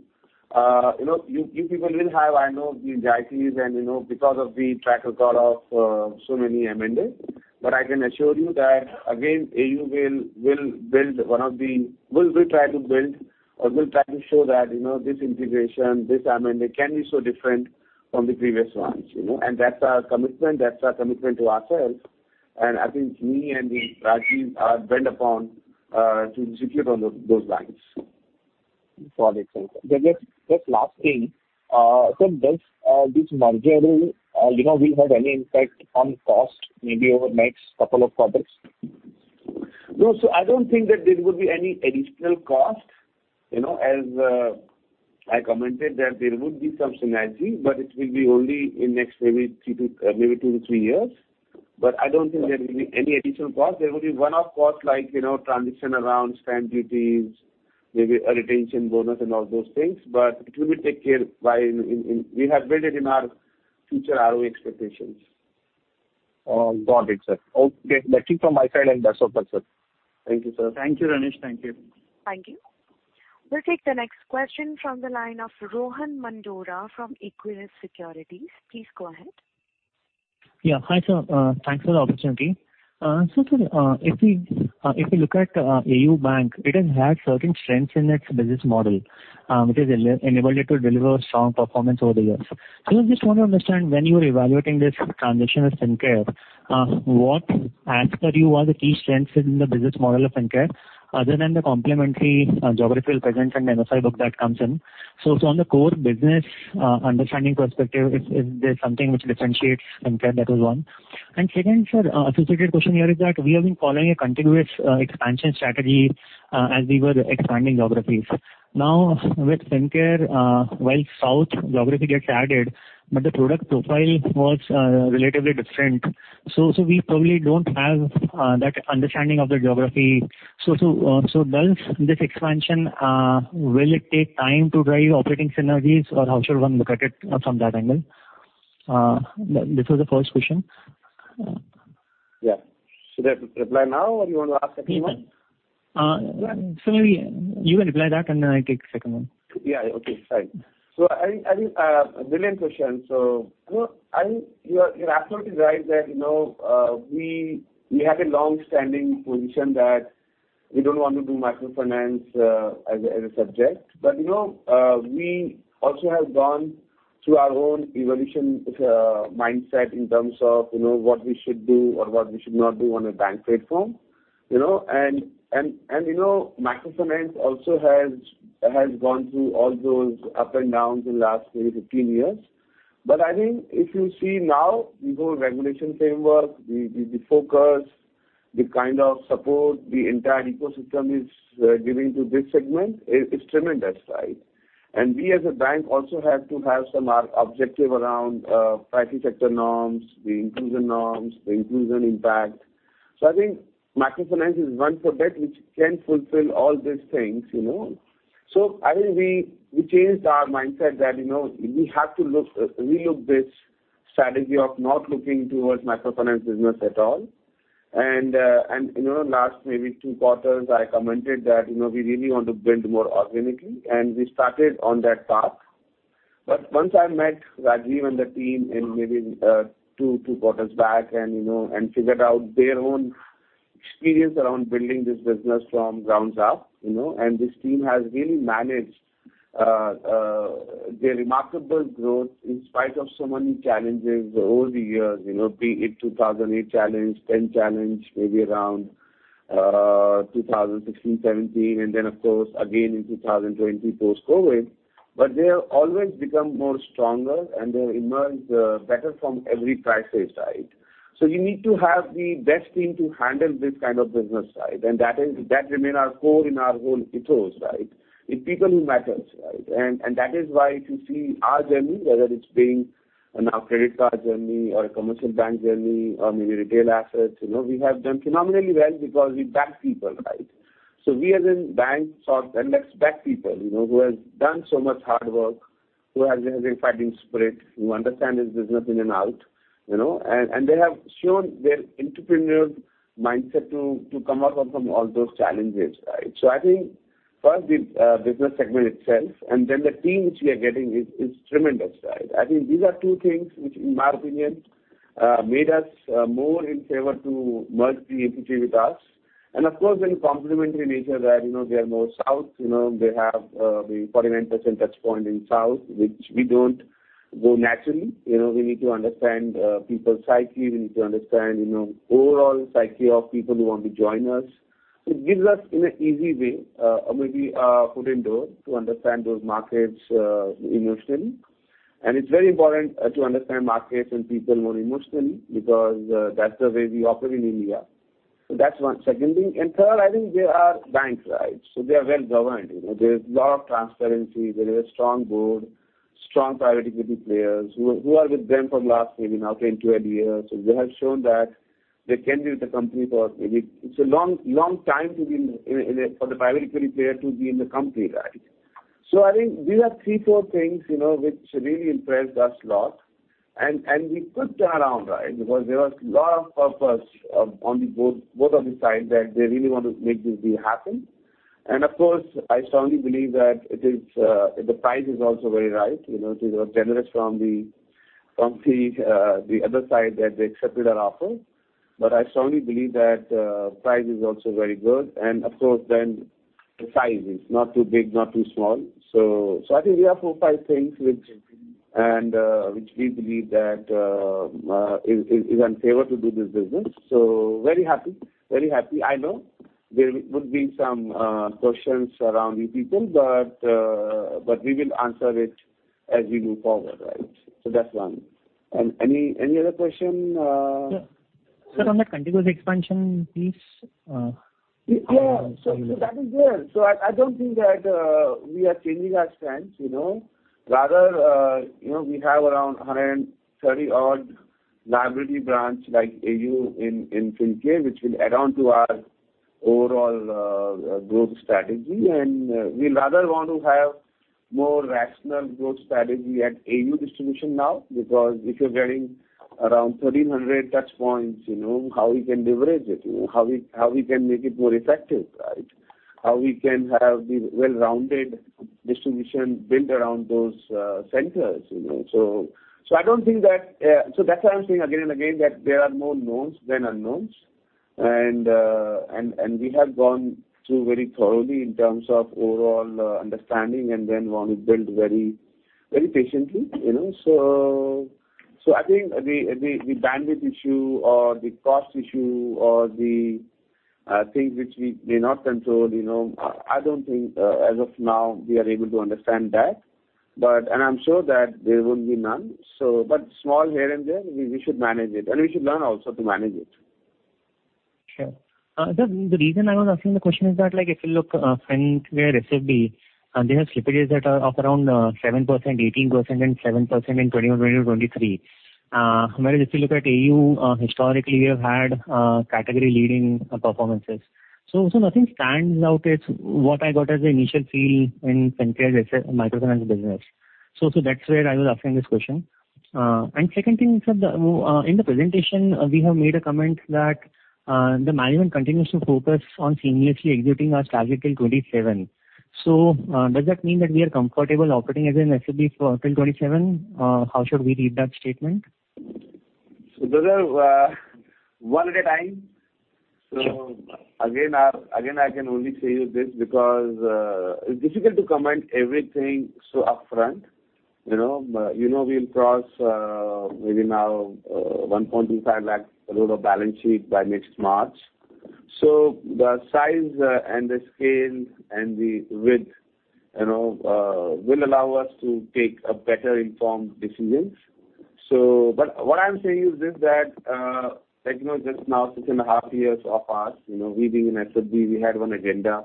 you know, you people will have, I know, the jitters and, you know, because of the track record of so many M&A. But I can assure you that, again, AU will build one of the... We'll try to build or we'll try to show that, you know, this integration, this M&A can be so different from the previous ones, you know? And that's our commitment, that's our commitment to ourselves. And I think me and Rajeev are bent upon to execute on those lines. Got it, sir. Just, just last thing, sir, does this merger will you know will have any impact on cost, maybe over the next couple of quarters? No, so I don't think that there would be any additional cost. You know, as, I commented that there would be some synergy, but it will be only in next maybe three to, maybe twe to three years. But I don't think there will be any additional cost. There will be one-off cost, like, you know, transition around, stamp duties, maybe a retention bonus and all those things, but it will be taken care by in... We have built it in our future ROE expectations. Got it, sir. Okay, thank you from my side, and that's all, sir. Thank you, sir. Thank you, Renish. Thank you. Thank you. We'll take the next question from the line of Rohan Mandora from Equirus Securities. Please go ahead. Yeah. Hi, sir. Thanks for the opportunity. So, sir, if we look at AU Bank, it has had certain strengths in its business model, which has enabled it to deliver strong performance over the years. So I just want to understand, when you are evaluating this transition with Fincare, what, as per you, are the key strengths in the business model of Fincare, other than the complementary geographical presence and MFI book that comes in? So on the core business understanding perspective, is there something which differentiates Fincare? That is one. And second, sir, associated question here is that we have been following a continuous expansion strategy as we were expanding geographies. Now, with Fincare, while south geography gets added, but the product profile was relatively different. So we probably don't have that understanding of the geography. So does this expansion will it take time to drive operating synergies, or how should one look at it from that angle? This was the first question. Yeah. Should I reply now, or you want to ask second one? Maybe you can reply that, and then I take second one. Yeah, okay. Fine. So I think brilliant question. So, you know, I think you are, you're absolutely right that, you know, we have a long-standing position that we don't want to do microfinance as a subject. But, you know, we also have gone through our own evolution mindset in terms of, you know, what we should do or what we should not do on a bank platform, you know? And, you know, microfinance also has gone through all those ups and downs in the last, maybe, 15 years. But I think if you see now, the whole regulation framework, the focus, the kind of support the entire ecosystem is giving to this segment, it's tremendous, right? And we as a bank also have to have some objective around priority sector norms, the inclusion norms, the inclusion impact. So I think microfinance is one format which can fulfill all these things, you know? So I think we, we changed our mindset that, you know, we have to look, re-look this strategy of not looking towards microfinance business at all. And, and, you know, last maybe two quarters, I commented that, you know, we really want to build more organically, and we started on that path. But once I met Rajeev and the team in maybe two quarters back and, you know, and figured out their own experience around building this business from grounds up, you know, and this team has really managed a remarkable growth in spite of so many challenges over the years, you know, be it 2008 challenge, 2010 challenge, maybe around two thousand sixteen, 2017, and then, of course, again in 2020, post-COVID. But they have always become more stronger, and they emerged better from every crisis, right? So you need to have the best team to handle this kind of business, right? And that is- that remain our core in our whole ethos, right? It's people who matters, right? And that is why if you see our journey, whether it's being in our credit card journey or a commercial bank journey or maybe retail assets, you know, we have done phenomenally well because we back people, right? So we as in bank sought and let's back people, you know, who has done so much hard work, who has a fighting spirit, who understand this business in and out, you know? And they have shown their entrepreneurial mindset to come up with some all those challenges, right? So I think first the business segment itself, and then the team which we are getting is tremendous, right? I think these are two things which, in my opinion, made us more in favor to merge the entity with us. And of course, very complementary nature where, you know, they are more South, you know, they have the 49% touchpoint in the South, which we don't go naturally. You know, we need to understand people's psyche. We need to understand, you know, overall psyche of people who want to join us. It gives us in an easy way, maybe a foot in the door to understand those markets emotionally. And it's very important to understand markets and people more emotionally, because that's the way we operate in India. So that's one. Second thing, and third, I think they are banks, right? So they are well-governed. You know, there's a lot of transparency. There is a strong board, strong private equity players who are with them for the last maybe now 10, 12 years. So they have shown that they can be with the company for maybe... It's a long, long time to be in a, for the private equity player to be in the company, right? So I think these are three, frour things, you know, which really impressed us a lot. And we pushed around, right? Because there was a lot of push from, on the board, both of the sides, that they really want to make this deal happen. And of course, I strongly believe that it is, the price is also very right. You know, they were generous from the, from the, the other side, that they accepted our offer. But I strongly believe that, price is also very good. And of course then, the size is not too big, not too small. So, I think there are four, five things which we believe that is in favor to do this business. So very happy. Very happy. I know there would be some questions around the people, but we will answer it as we move forward, right? So that's one. And any other question? Sir, sir, on the contiguous expansion, please. Yeah. So, so that is there. So I don't think that we are changing our stance, you know. Rather, you know, we have around 130-odd liability branch like AU in, in Fincare, which will add on to our overall growth strategy. And we rather want to have more rational growth strategy at AU distribution now, because if you're getting around 1,300 touch points, you know, how we can leverage it? You know, how we, how we can make it more effective, right? How we can have the well-rounded distribution built around those centers, you know? So, so I don't think that... So that's why I'm saying again and again, that there are more knowns than unknowns. We have gone through very thoroughly in terms of overall understanding and then want to build very, very patiently, you know? So I think the bandwidth issue or the cost issue or the things which we may not control, you know, I don't think, as of now, we are able to understand that. But and I'm sure that there will be none. So but small here and there, we should manage it, and we should learn also to manage it. Sure. The reason I was asking the question is that, like, if you look at Fincare SFB, they have slippages that are around 7%, 18% and 7% in 2021-2023. Whereas if you look at AU, historically, we have had category-leading performances. So nothing stands out as what I got as the initial feel in Fincare's microfinance business. So that's where I was asking this question. And second thing, sir, in the presentation, we have made a comment that the management continues to focus on seamlessly executing our strategy till 2027. So does that mean that we are comfortable operating as an SFB till 2027? How should we read that statement? So those are one at a time. Sure. Again, I can only say you this, because it's difficult to comment everything so upfront, you know? But you know, we'll cross maybe now 1.25 lakh crore total balance sheet by next March. So the size and the scale and the width, you know, will allow us to take better informed decisions. What I'm saying is this, that, like, you know, just now, six and a half years of us, you know, we being in SFB, we had one agenda.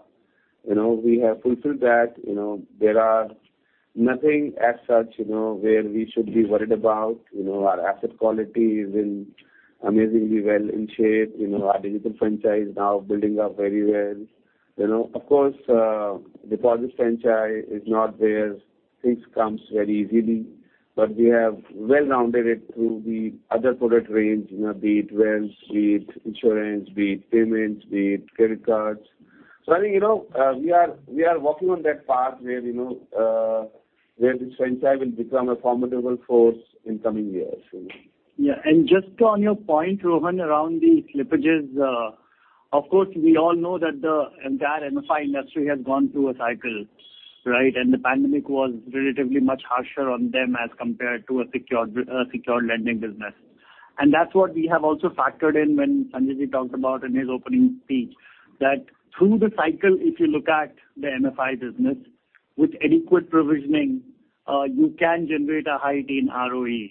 You know, we have fulfilled that. You know, there are nothing as such, you know, where we should be worried about. You know, our asset quality is in amazingly well in shape. You know, our digital franchise now building up very well. You know, of course, deposit franchise is not where things comes very easily, but we have well-rounded it through the other product range, you know, be it wealth, be it insurance, be it payments, be it credit cards. So I think, you know, we are, we are walking on that path where, you know, where the franchise will become a formidable force in coming years. Yeah, and just on your point, Rohan, around the slippages, of course, we all know that the entire MFI industry has gone through a cycle, right? And the pandemic was relatively much harsher on them as compared to a secured, secured lending business. And that's what we have also factored in when Sanjay Ji talked about in his opening speech, that through the cycle, if you look at the MFI business, with adequate provisioning, you can generate a high decent ROE.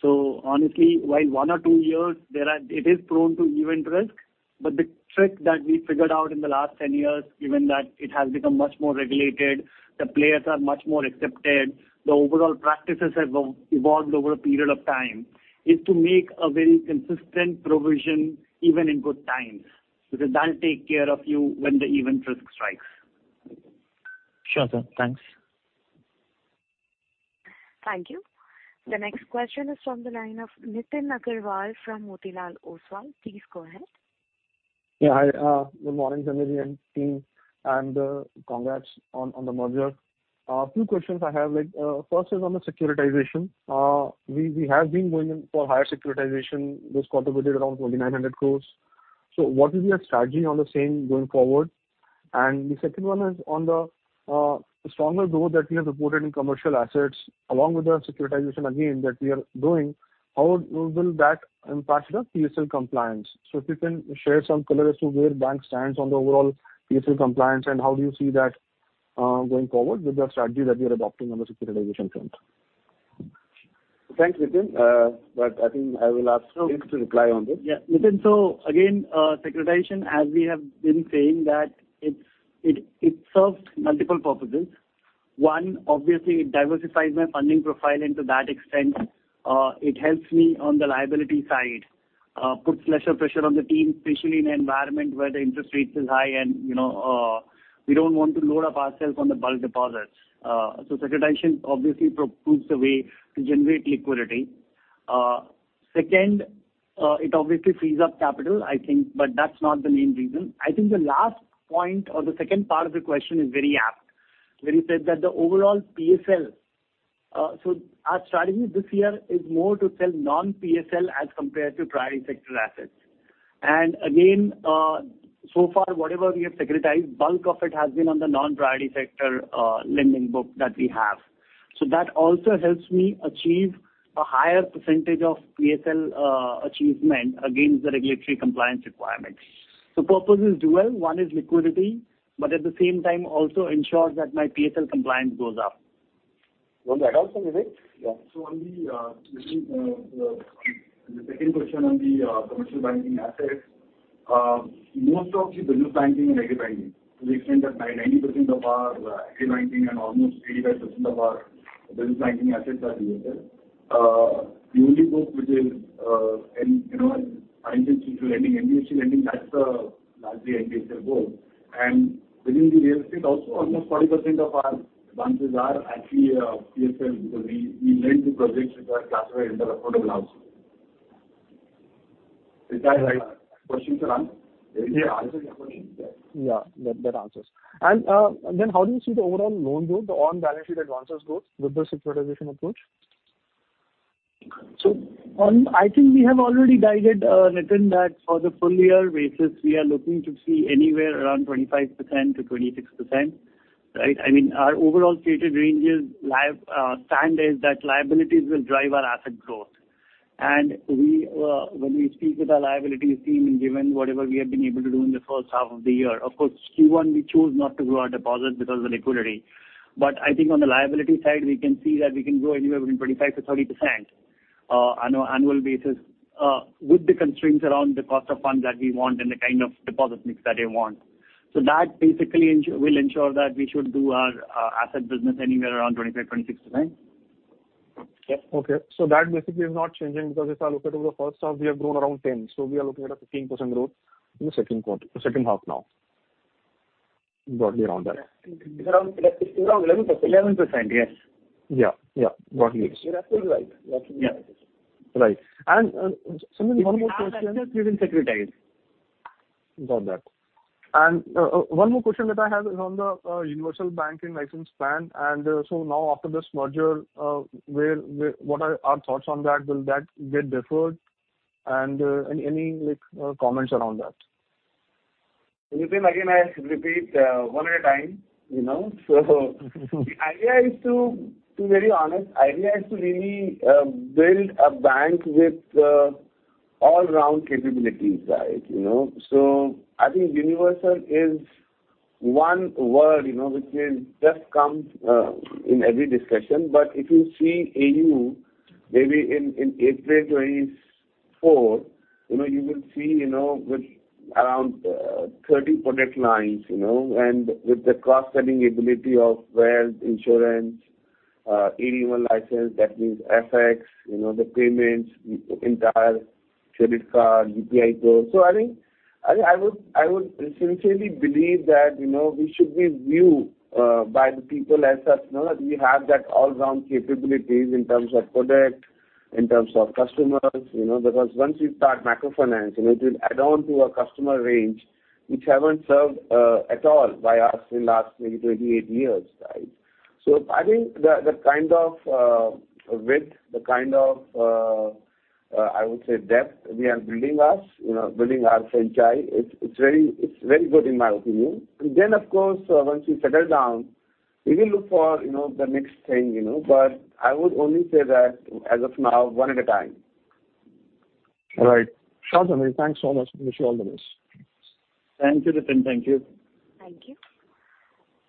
So honestly, while one or two years, it is prone to even risk. But the trick that we figured out in the last 10 years, given that it has become much more regulated, the players are much more accepted, the overall practices have evolved over a period of time, is to make a very consistent provision, even in good times, because that take care of you when the event risk strikes. Sure, sir. Thanks.... Thank you. The next question is from the line of Nitin Aggarwal from Motilal Oswal. Please go ahead. Yeah, hi, good morning, Sanjay and team, and, congrats on, on the merger. Two questions I have, like, first is on the securitization. We, we have been going in for higher securitization this quarter, which is around 2,900 crore. So what is your strategy on the same going forward? And the second one is on the, stronger growth that we have reported in commercial assets, along with the securitization again that we are doing, how will, will that impact the PSL compliance? So if you can share some color as to where bank stands on the overall PSL compliance, and how do you see that, going forward with the strategy that you are adopting on the securitization front? Thanks, Nitin, but I think I will ask Vivek to reply on this. Yeah, Nitin, so again, securitization, as we have been saying, that it serves multiple purposes. One, obviously, it diversifies my funding profile to that extent. It helps me on the liability side, puts lesser pressure on the team, especially in an environment where the interest rates is high and, you know, we don't want to load up ourselves on the bulk deposits. So securitization obviously proves the way to generate liquidity. Second, it obviously frees up capital, I think, but that's not the main reason. I think the last point or the second part of the question is very apt. Where you said that the overall PSL. So our strategy this year is more to sell non-PSL as compared to priority sector assets. And again, so far, whatever we have securitized, bulk of it has been on the non-priority sector lending book that we have. So that also helps me achieve a higher percentage of PSL achievement against the regulatory compliance requirements. So purpose is dual. One is liquidity, but at the same time also ensure that my PSL compliance goes up. You want to add something, Vivek? Yeah. So on the second question on the commercial banking assets, most of the business banking is retail banking, to the extent that 90% of our retail banking and almost 85% of our business banking assets are retail. The only book which is in, you know, financial institutional lending, NBFC lending, that's a largely NPSL book. And within the real estate also, almost 40% of our advances are actually PSL, because we lend to projects which are classified under affordable house. Is that right, question, sir? Yeah, answer the question. Yeah, that, that answers. And then how do you see the overall loan growth, the on-balance sheet advances growth with the securitization approach? I think we have already guided, Nitin, that for the full year basis, we are looking to see anywhere around 25%-26%, right? I mean, our overall stated range is live, stand is that liabilities will drive our asset growth. And we, when we speak with our liabilities team and given whatever we have been able to do in the first half of the year, of course, Q1 we chose not to grow our deposit because of the liquidity. But I think on the liability side, we can see that we can grow anywhere between 25%-30%, on annual basis, with the constraints around the cost of funds that we want and the kind of deposit mix that they want. So that basically will ensure that we should do our asset business anywhere around 25%-26%. Okay. So that basically is not changing, because if I look at over the first half, we have grown around 10, so we are looking at a 15% growth in the second quarter, second half now, broadly around that. Around 11%. 11%, yes. Yeah, yeah, got you. You're absolutely right. Yeah. Right. And Sanjay, one more question- Assets we didn't securitize. Got that. And one more question that I have is on the universal banking license plan. And so now after this merger, where... what are our thoughts on that? Will that get deferred? And any like comments around that? Nitin, again, I repeat, one at a time, you know? So the idea is to, to very honest, idea is to really, build a bank with, all-round capabilities, right, you know? So I think universal is one word, you know, which is just comes, in every discussion. But if you see AU, maybe in, in April 2024, you know, you will see, you know, with around, 30 product lines, you know, and with the cross-selling ability of wealth, insurance, AD1 license, that means FX, you know, the payments, the entire credit card, UPI code. So I think I would sincerely believe that, you know, we should be viewed by the people as us, you know, that we have that all-round capabilities in terms of product, in terms of customers, you know, because once you start microfinance, you know, it will add on to our customer range, which haven't served at all by us in last maybe 28 years, right? So I think the kind of width, the kind of, I would say depth we are building us, you know, building our franchise, it's very good in my opinion. And then, of course, once we settle down, we will look for, you know, the next thing, you know, but I would only say that as of now, one at a time. All right. Sure, Sanjay. Thanks so much. Wish you all the best. Thank you, Nitin. Thank you. Thank you.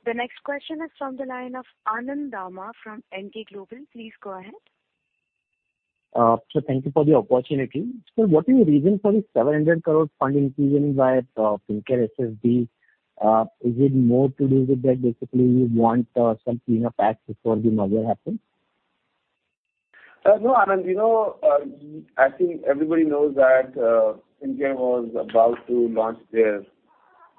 The next question is from the line of Anand Dama from Emkay Global. Please go ahead. So thank you for the opportunity. Sir, what is the reason for the 700 crore fund increase in Fincare SFB? Is it more to do with that basically you want some cleanup act before the merger happens? No, Anand, you know, I think everybody knows that, Fincare was about to launch their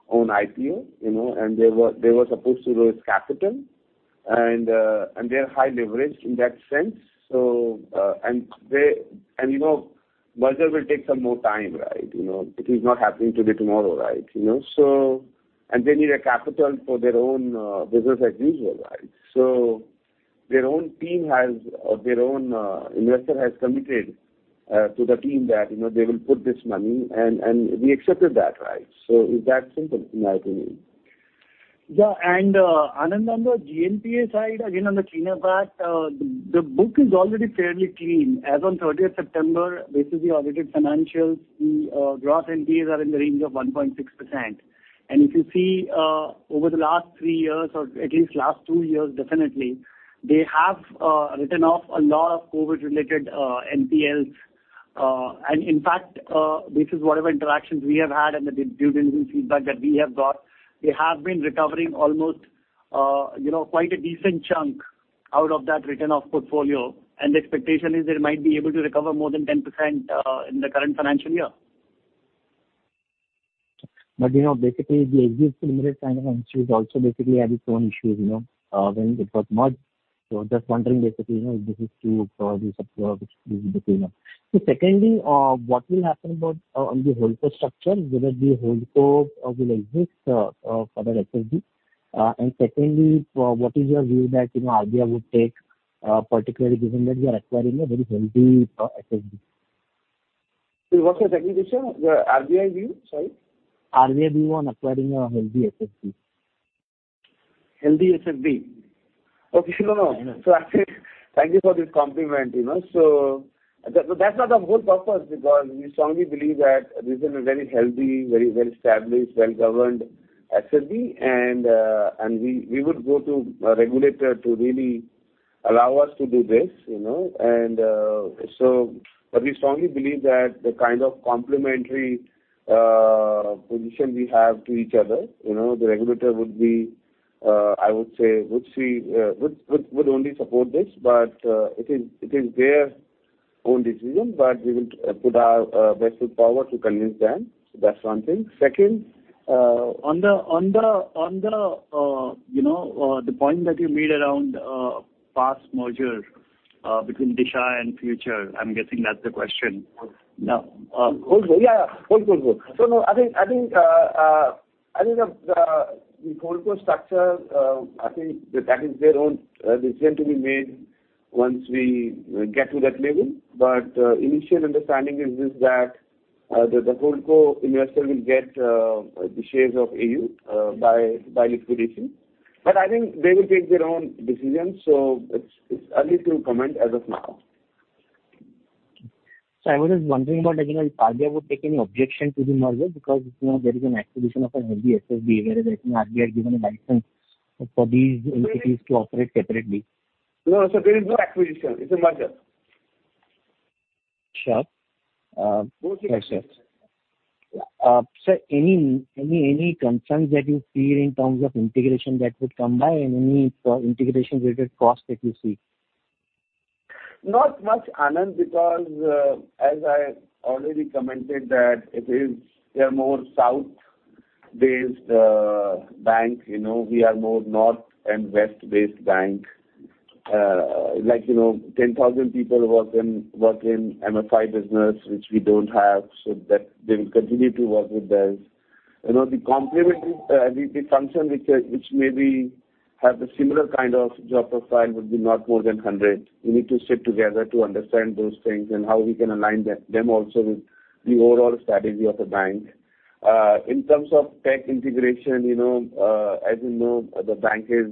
own IPO, you know, and they were, they were supposed to raise capital and, and they're high leveraged in that sense. So, and they- and, you know, merger will take some more time, right? You know, it is not happening today, tomorrow, right? You know, so and they need a capital for their own, business as usual, right? So their own team has, or their own, investor has committed, to the team that, you know, they will put this money and, and we accepted that, right? So it's that simple, in my opinion. Yeah, and, Anand, on the GNPA side, again, on the cleaner part, the book is already fairly clean. As on 30 September, this is the audited financials, the gross NPAs are in the range of 1.6%. If you see, over the last three years, or at least last two years, definitely, they have written off a lot of COVID-related NPLs. In fact, this is whatever interactions we have had and the due diligence feedback that we have got, they have been recovering almost, you know, quite a decent chunk out of that written-off portfolio. The expectation is they might be able to recover more than 10% in the current financial year. But, you know, basically, the existing limited kind of issues also basically had its own issues, you know, when it was merged. So just wondering, basically, you know, if this is true for the supplier, which is between them. So secondly, what will happen about, on the holdco structure, whether the holdco will exist, for the SFB? And secondly, what is your view that, you know, RBI would take, particularly given that we are acquiring a very healthy, SFB? What's the second question? The RBI view? Sorry. RBI view on acquiring a healthy SFB. Healthy SFB. Okay. No, no, no. Yeah. So I say thank you for this compliment, you know. So that, that's not the whole purpose, because we strongly believe that this is a very healthy, very well-established, well-governed SFB and we would go to a regulator to really allow us to do this, you know? And so but we strongly believe that the kind of complementary position we have to each other, you know, the regulator would be, I would say, would see would only support this, but it is their own decision, but we will put our best foot forward to convince them. So that's one thing. Second, on the point that you made around past merger between Disha and Fincare, I'm guessing that's the question. Yes. Now, holdco. Yeah, holdco. So no, I think, I think, I think the holdco structure, I think that is their own decision to be made once we get to that level. But, initial understanding is that the holdco investor will get the shares of AU by liquidation. But I think they will take their own decision, so it's early to comment as of now. I was just wondering about, you know, if RBI would take any objection to the merger, because, you know, there is an acquisition of a healthy SFB, whereas RBI has given a license for these entities to operate separately. No, there is no acquisition. It's a merger. Sure. Yes, yes. Okay. Sir, any concerns that you feel in terms of integration that would come by and any integration-related cost that you see? Not much, Anand, because, as I already commented, that it is... They are more south-based, bank, you know. We are more north and west-based bank. Like, you know, 10,000 people work in, work in MFI business, which we don't have, so that they will continue to work with us. You know, the complementary, the, the function which, which maybe have a similar kind of job profile would be not more than 100. We need to sit together to understand those things and how we can align them, them also with the overall strategy of the bank. In terms of tech integration, you know, as you know, the bank is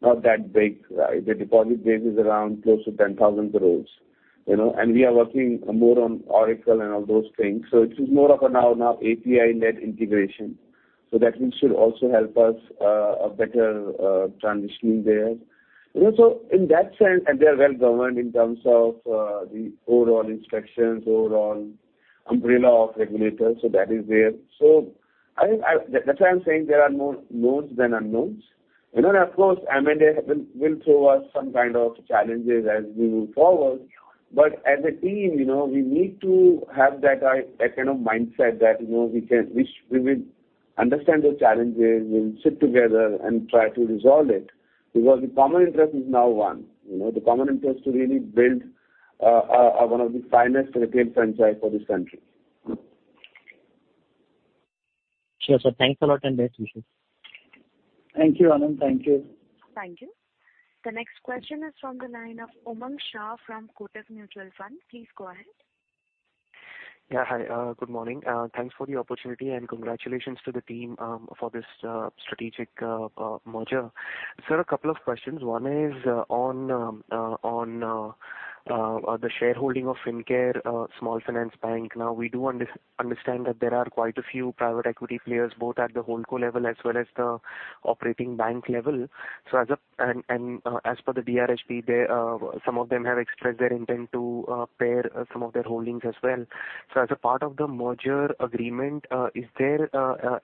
not that big, right? The deposit base is around close to 10,000 crore, you know, and we are working more on Oracle and all those things. So it is more of a now, now API-led integration. So that should also help us a better transitioning there. And also in that sense, and they are well-governed in terms of the overall inspections, overall umbrella of regulators, so that is there. So I think I. That's why I'm saying there are more knowns than unknowns. You know, of course, M&A will throw us some kind of challenges as we move forward. But as a team, you know, we need to have that that kind of mindset that, you know, we will understand those challenges. We'll sit together and try to resolve it, because the common interest is now one. You know, the common interest to really build one of the finest retail franchise for this country. Sure, sir. Thanks a lot and best wishes. Thank you, Anand. Thank you. Thank you. The next question is from the line of Umang Shah from Kotak Mutual Fund. Please go ahead. Yeah, hi. Good morning. Thanks for the opportunity, and congratulations to the team for this strategic merger. Sir, a couple of questions. One is on the shareholding of Fincare Small Finance Bank. Now, we do understand that there are quite a few private equity players, both at the holdco level as well as the operating bank level. As per the DRHP, they, some of them have expressed their intent to pare some of their holdings as well. So as a part of the merger agreement, is there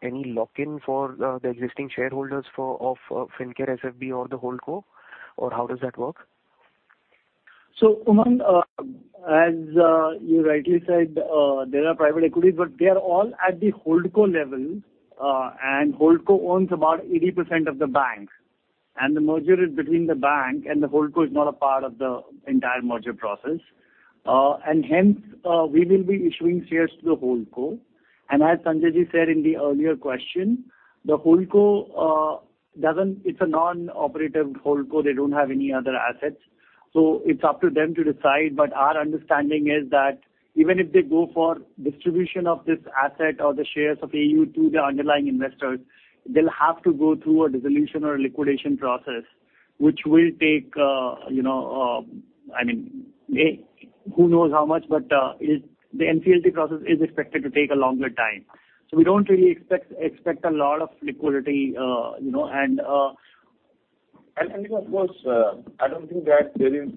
any lock-in for the existing shareholders for of Fincare SFB or the holdco? Or how does that work? ... So, Umang, as you rightly said, there are private equities, but they are all at the holdco level, and holdco owns about 80% of the bank, and the merger is between the bank, and the holdco is not a part of the entire merger process. And hence, we will be issuing shares to the holdco. And as Sanjay said in the earlier question, the holdco doesn't. It's a non-operative holdco. They don't have any other assets, so it's up to them to decide. But our understanding is that even if they go for distribution of this asset or the shares of AU to the underlying investors, they'll have to go through a dissolution or liquidation process, which will take, you know, I mean, who knows how much, but, it's, the NCLT process is expected to take a longer time. So we don't really expect, expect a lot of liquidity, you know, and, Of course, I don't think that there is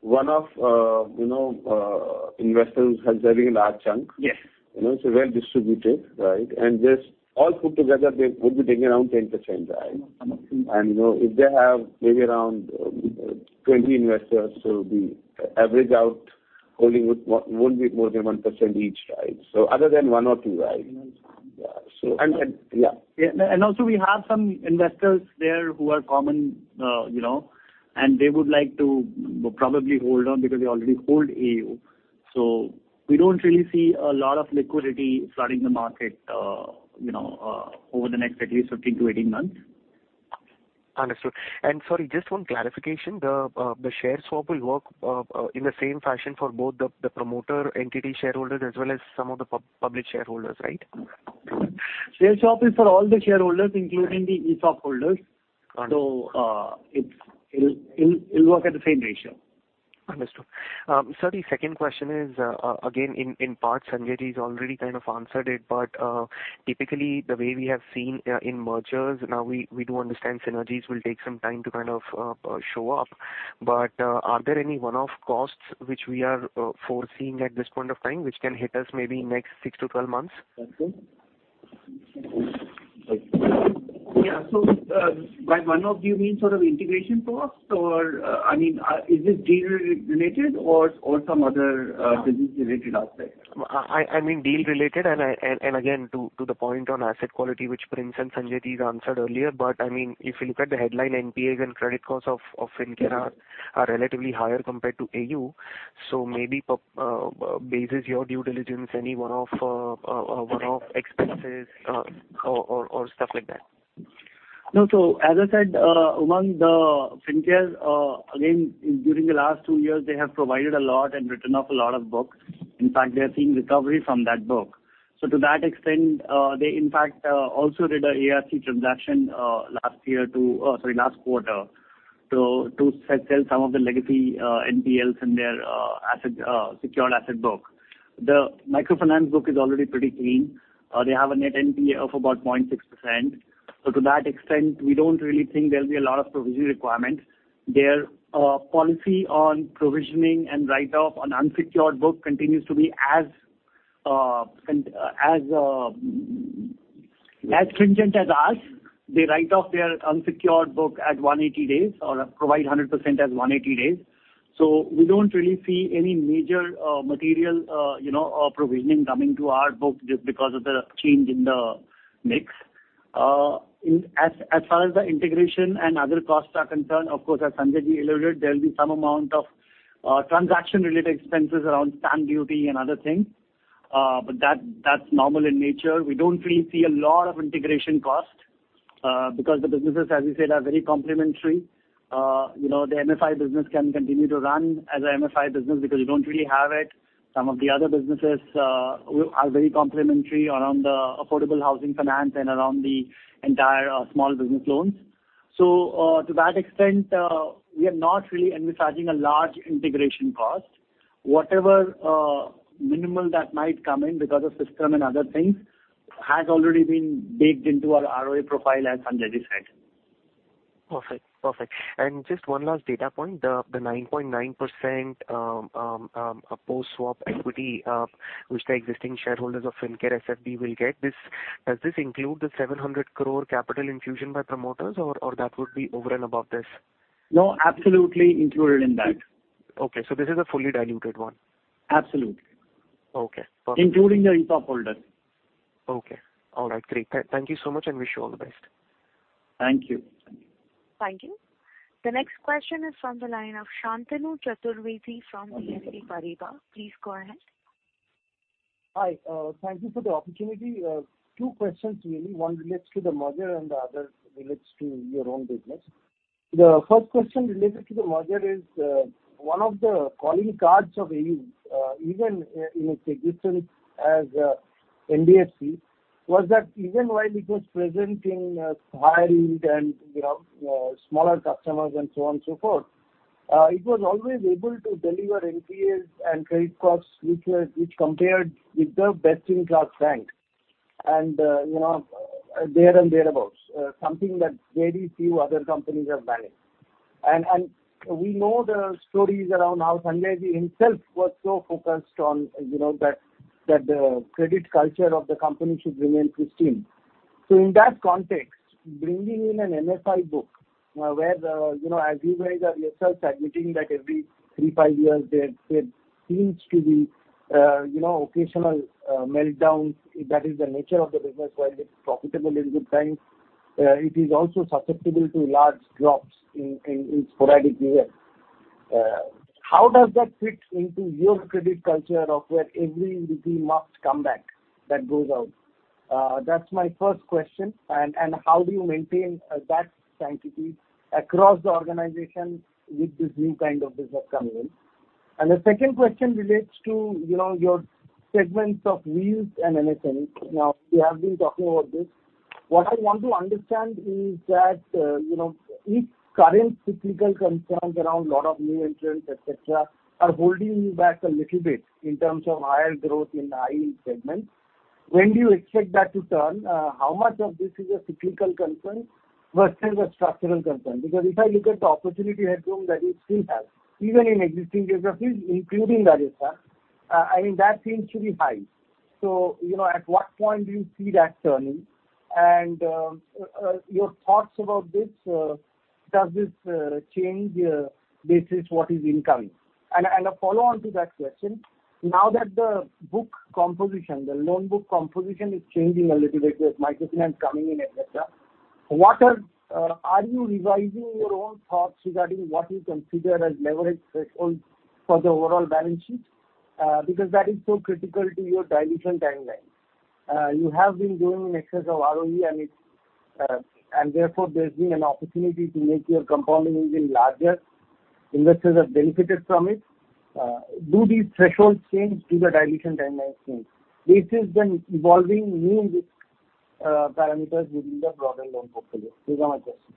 one of, you know, investors holding a large chunk. Yes. You know, it's well distributed, right? And just all put together, they would be taking around 10%, right? Um, hmm. You know, if they have maybe around 20 investors, so the average out holding wouldn't be more than 1% each, right? So other than one or two, right? Um... Yeah, so- And, and- Yeah. Also, we have some investors there who are common, you know, and they would like to probably hold on because they already hold AU. So we don't really see a lot of liquidity flooding the market, you know, over the next at least 15-18 months. Understood. And sorry, just one clarification. The share swap will work in the same fashion for both the promoter entity shareholders as well as some of the public shareholders, right? Share swap is for all the shareholders, including the ESOP holders. Got it. It'll work at the same ratio. Understood. Sir, the second question is, again, in part, Sanjay's already kind of answered it, but typically the way we have seen in mergers, now, we do understand synergies will take some time to kind of show up. But are there any one-off costs which we are foreseeing at this point of time, which can hit us maybe in next 6-12 months? Okay. Yeah, so, by one-off, do you mean sort of integration costs, or, I mean, is this deal-related or, or some other, business-related aspect? I mean deal related, and again, to the point on asset quality, which Prince and Sanjay answered earlier, but I mean, if you look at the headline NPAs and credit costs of Fincare are relatively higher compared to AU, so maybe one-off expenses or stuff like that? No, so as I said, among the Fincare, again, during the last two years, they have provisioned a lot and written off a lot of book. In fact, they are seeing recovery from that book. So to that extent, they in fact also did a ARC transaction last quarter to sell some of the legacy NPLs in their secured asset book. The microfinance book is already pretty clean. They have a net NPA of about 0.6%. So to that extent, we don't really think there'll be a lot of provisioning requirements. Their policy on provisioning and write-off on unsecured book continues to be as stringent as ours. They write off their unsecured book at 180 days or provide 100% as 180 days. So we don't really see any major, material, you know, provisioning coming to our book just because of the change in the mix. In as far as the integration and other costs are concerned, of course, as Sanjay alluded, there will be some amount of transaction-related expenses around stamp duty and other things. But that, that's normal in nature. We don't really see a lot of integration cost because the businesses, as we said, are very complementary. You know, the MFI business can continue to run as a MFI business because we don't really have it. Some of the other businesses are very complementary around the affordable housing finance and around the entire small business loans. So, to that extent, we are not really envisaging a large integration cost. Whatever, minimal that might come in because of system and other things, has already been baked into our ROE profile, as Sanjay said. Perfect. Perfect. And just one last data point, the 9.9%, post-swap equity, which the existing shareholders of Fincare SFB will get. Does this include the 700 crore capital infusion by promoters, or that would be over and above this? No, absolutely included in that. Okay, so this is a fully diluted one? Absolutely. Okay, perfect. Including the ESOP holders. Okay. All right, great. Thank you so much, and wish you all the best. Thank you. Thank you. The next question is from the line of Santanu Chakrabarti from BNP Paribas. Please go ahead. Hi, thank you for the opportunity. Two questions really. One relates to the merger, and the other relates to your own business. The first question related to the merger is, one of the calling cards of AU, even in its existence as NBFC, was that even while it was present in high end and, you know, smaller customers and so on and so forth, it was always able to deliver NPAs and credit costs which compared with the best-in-class bank, and, you know, there and thereabouts, something that very few other companies have managed. And we know the stories around how Sanjay himself was so focused on, you know, the credit culture of the company should remain pristine.... So in that context, bringing in an MFI book, where, you know, as you guys are yourself admitting that every three to five years, there seems to be, you know, occasional, meltdowns. That is the nature of the business. While it's profitable in good times, it is also susceptible to large drops in sporadic years. How does that fit into your credit culture of where every rupee must come back that goes out? That's my first question. And how do you maintain that sanctity across the organization with this new kind of business coming in? And the second question relates to, you know, your segments of wheels and MSME. Now, we have been talking about this. What I want to understand is that, you know, if current cyclical concerns around a lot of new entrants, et cetera, are holding you back a little bit in terms of higher growth in the high-end segment, when do you expect that to turn? How much of this is a cyclical concern versus a structural concern? Because if I look at the opportunity headroom that you still have, even in existing geographies, including that effect, I mean, that seems to be high. So, you know, at what point do you see that turning? And, your thoughts about this, does this change basis what is incoming? A follow-on to that question: now that the book composition, the loan book composition is changing a little bit with microfinance coming in, et cetera, what are you revising your own thoughts regarding what you consider as leverage threshold for the overall balance sheet? Because that is so critical to your dilution timeline. You have been doing in excess of ROE, and it's, and therefore, there's been an opportunity to make your compounding even larger. Investors have benefited from it. Do these thresholds change? Do the dilution timelines change? This is the evolving new parameters within the broader loan portfolio. These are my questions.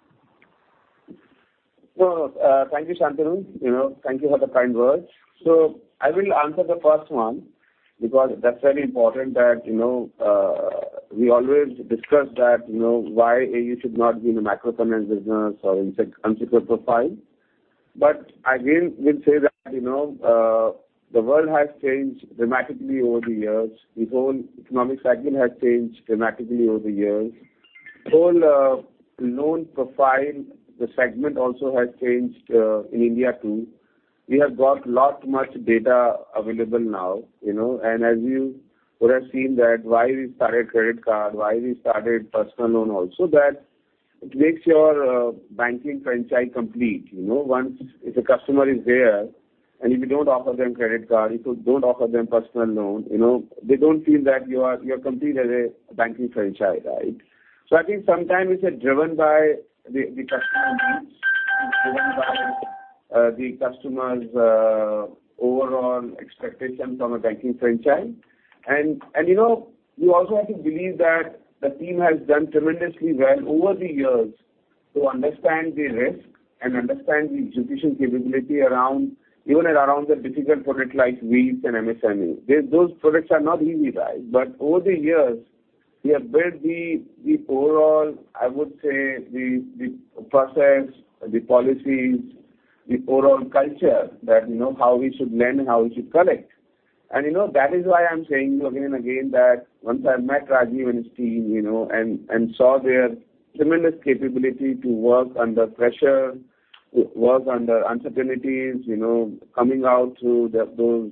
So, thank you, Shantanu. You know, thank you for the kind words. So I will answer the first one, because that's very important that, you know, we always discuss that, you know, why AU should not be in the microfinance business or in such unsecured profile. But again, we'll say that, you know, the world has changed dramatically over the years. The whole economic segment has changed dramatically over the years. Whole, loan profile, the segment also has changed, in India, too. We have got lot much data available now, you know, and as you would have seen that why we started credit card, why we started personal loan also, that it makes your, banking franchise complete. You know, once if a customer is there, and if you don't offer them credit card, if you don't offer them personal loan, you know, they don't feel that you are, you are complete as a banking franchise, right? So I think sometimes it's driven by the, the customer needs, driven by, the customer's, overall expectations from a banking franchise. And, and, you know, you also have to believe that the team has done tremendously well over the years to understand the risk and understand the execution capability around, even around the difficult product like Wheels and MSME. Those products are not easy, right? But over the years, we have built the, the overall, I would say, the, the process, the policies, the overall culture that you know, how we should lend, how we should collect. You know, that is why I'm saying again and again, that once I met Rajeev and his team, you know, and, and saw their tremendous capability to work under pressure, work under uncertainties, you know, coming out through those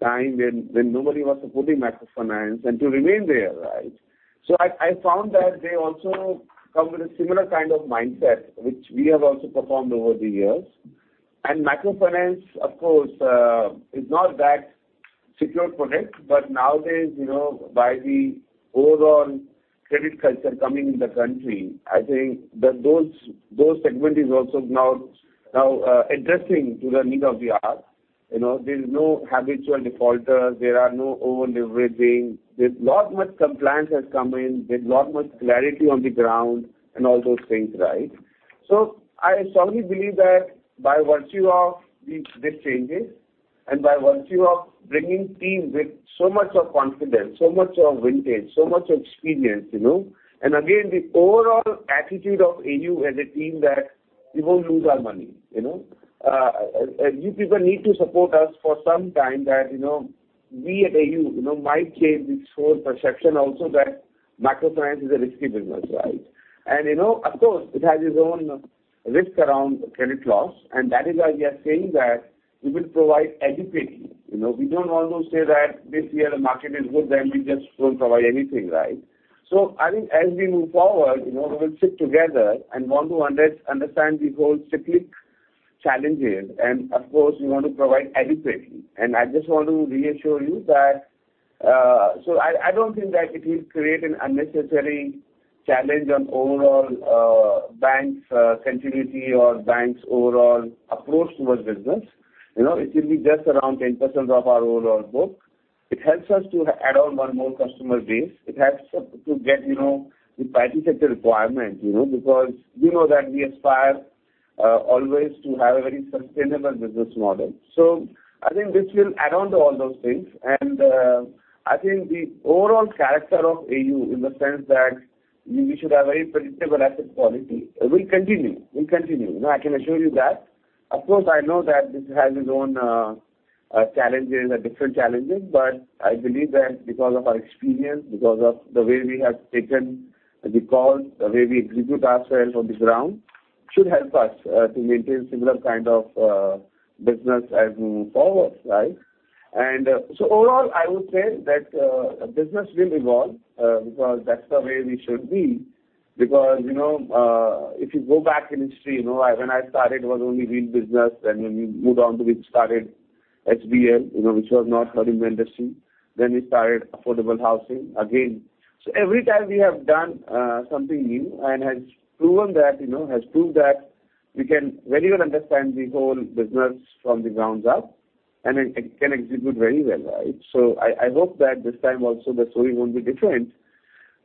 time when nobody was supporting microfinance and to remain there, right? So I found that they also come with a similar kind of mindset, which we have also performed over the years. Microfinance, of course, is not that secure product, but nowadays, you know, by the overall credit culture coming in the country, I think that those segment is also now addressing to the need of the hour. You know, there's no habitual defaulters, there are no over-leveraging. There's lot much compliance has come in, there's lot much clarity on the ground and all those things, right? So I strongly believe that by virtue of these changes, and by virtue of bringing teams with so much of confidence, so much of vintage, so much experience, you know, and again, the overall attitude of AU as a team that we won't lose our money, you know? You people need to support us for some time that, you know, we at AU, you know, might change this whole perception also that microfinance is a risky business, right? And, you know, of course, it has its own risk around credit loss, and that is why we are saying that we will provide adequately. You know, we don't want to say that this year the market is good, then we just won't provide anything, right? So I think as we move forward, you know, we will sit together and want to understand the whole cyclical challenges. Of course, we want to provide adequately. I just want to reassure you that. I don't think that it will create an unnecessary challenge on overall bank's continuity or bank's overall approach towards business. You know, it will be just around 10% of our overall book. It helps us to add on one more customer base. It helps us to get, you know, the private sector requirement, you know, because you know that we aspire always to have a very sustainable business model. I think this will add on to all those things. I think the overall character of AU in the sense that we should have a very predictable asset quality, will continue, will continue. You know, I can assure you that. Of course, I know that this has its own. Challenges are different challenges, but I believe that because of our experience, because of the way we have taken the calls, the way we execute ourselves on the ground, should help us to maintain similar kind of business as we move forward, right? And so overall, I would say that business will evolve because that's the way we should be. Because, you know, if you go back in history, you know, when I started, it was only wheel business, then when we moved on to we started HBL, you know, which was not heard in the industry, then we started affordable housing again. So every time we have done something new and has proven that, you know, has proved that we can very well understand the whole business from the grounds up, and it can execute very well, right? So I hope that this time also the story won't be different,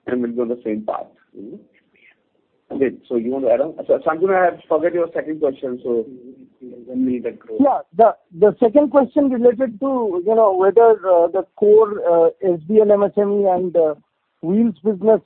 and we'll go on the same path. Mm-hmm. Okay, so you want to add on? So Shantanu, I have forgot your second question, so when we agree. Yeah. The second question related to, you know, the core HBL, MSME, and wheels business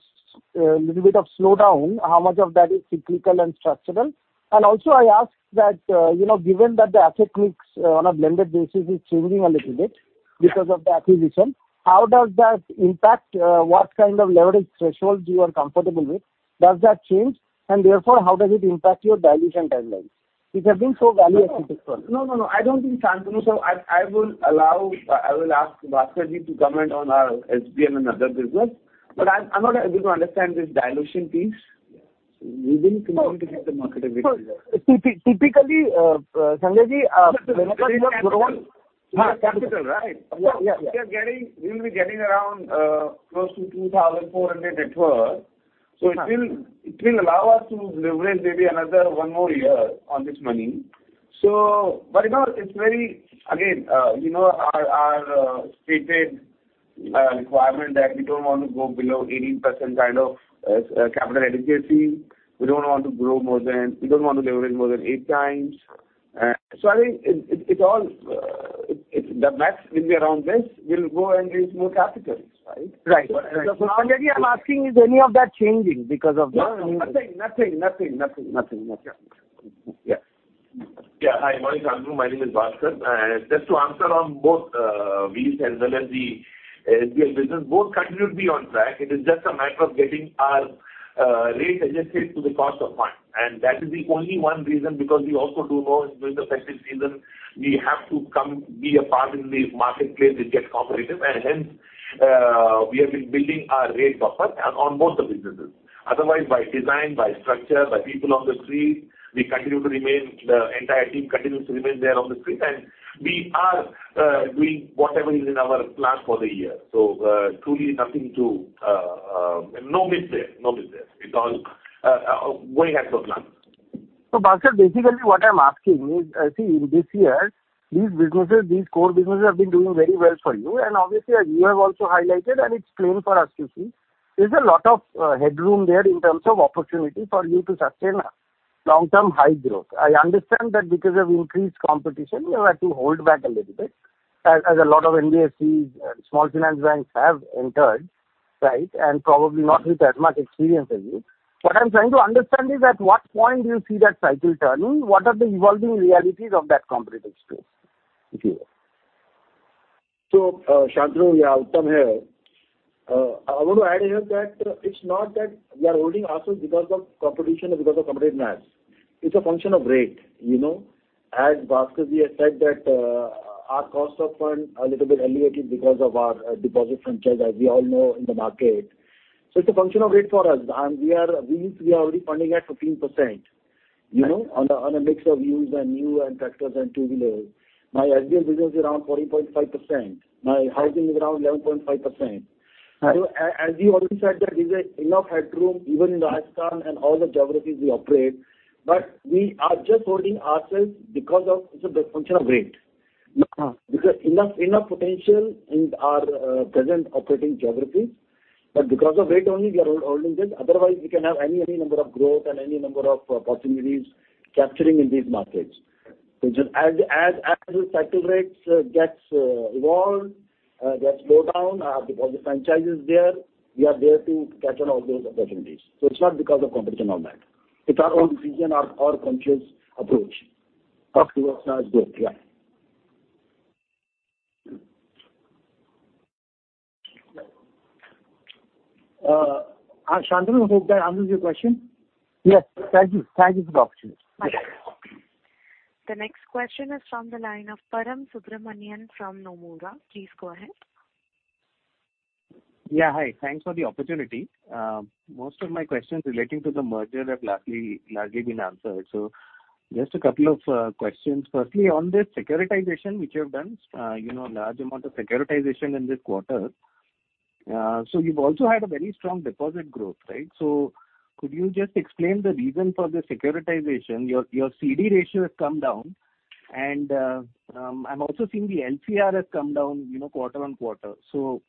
little bit of slowdown, how much of that is cyclical and structural? And also I asked that, you know, given that the asset mix on a blended basis is changing a little bit because of the acquisition, how does that impact what kind of leverage thresholds you are comfortable with? Does that change, and therefore, how does it impact your dilution timelines? These have been so value specific for us. No, no, no. I don't think, Shantanu. So I, I will allow, I will ask Bhaskar to comment on our HBL and other business, but I'm, I'm not able to understand this dilution piece. We've been continuing to get the market a bit here. So typically, Bhaskar, whenever you grow- Capital, right? Yeah, yeah. We will be getting around close to 2,400 network. So it will allow us to leverage maybe another one more year on this money. So but, you know, it's very. Again, you know, our stated requirement that we don't want to go below 18% kind of capital adequacy. We don't want to grow more than we don't want to leverage more than eight times. So I think it all, the max will be around this. We'll go and raise more capital, right? Right. So Bhaskar, I'm asking, is any of that changing because of the- Nothing, nothing, nothing, nothing, nothing. Yeah. Yeah. Hi, my name is Bhaskar. And just to answer on both, wheels as well as the HBL business, both continue to be on track. It is just a matter of getting our, rate adjusted to the cost of fund. And that is the only one reason, because we also do know during the festive season, we have to come be a part in the marketplace, it gets competitive, and hence, we have been building our rate buffer on both the businesses. Otherwise, by design, by structure, by people on the street, we continue to remain, the entire team continues to remain there on the street, and we are, doing whatever is in our plan for the year. So, truly nothing to, no mistake, no mistake. It's all, going as per plan. So, Bhaskar, basically what I'm asking is, see, in this year, these businesses, these core businesses have been doing very well for you. And obviously, as you have also highlighted, and it's clear for us to see, there's a lot of headroom there in terms of opportunity for you to sustain long-term high growth. I understand that because of increased competition, you have to hold back a little bit, as a lot of NBFCs, small finance banks have entered, right? And probably not with as much experience as you. What I'm trying to understand is, at what point do you see that cycle turning? What are the evolving realities of that competitive space, if you will? So, Shantanu, yeah, Uttam here. I want to add here that it's not that we are holding ourselves because of competition or because of competitive match. It's a function of rate, you know. As Bhaskar has said that, our cost of fund are little bit elevated because of our deposit franchise, as we all know in the market. So it's a function of rate for us, and we are, we, we are already funding at 15%, you know, on a, on a mix of used and new and tractors and two-wheelers. My HBL business is around 14.5%. My housing is around 11.5%. Right. As you already said, that there's enough headroom, even in Rajasthan and all the geographies we operate, but we are just holding ourselves because of the function of rate. Uh. Because enough, enough potential in our present operating geographies, but because of rate only, we are holding this. Otherwise, we can have any, any number of growth and any number of opportunities capturing in these markets. So just as, as, as the cycle rates gets evolved, gets slowed down, because the franchise is there, we are there to catch on all those opportunities. So it's not because of competition on that. It's our own vision, our conscious approach of towards our growth, yeah. Shantanu, I hope that answers your question? Yes, thank you. Thank you for the opportunity. The next question is from the line of Param Subramanian from Nomura. Please go ahead. Yeah, hi. Thanks for the opportunity. Most of my questions relating to the merger have largely been answered. So just a couple of questions. Firstly, on this securitization, which you have done, you know, large amount of securitization in this quarter. So you've also had a very strong deposit growth, right? So could you just explain the reason for the securitization? Your CD ratio has come down, and I'm also seeing the NIM has come down, you know, quarter-over-quarter. So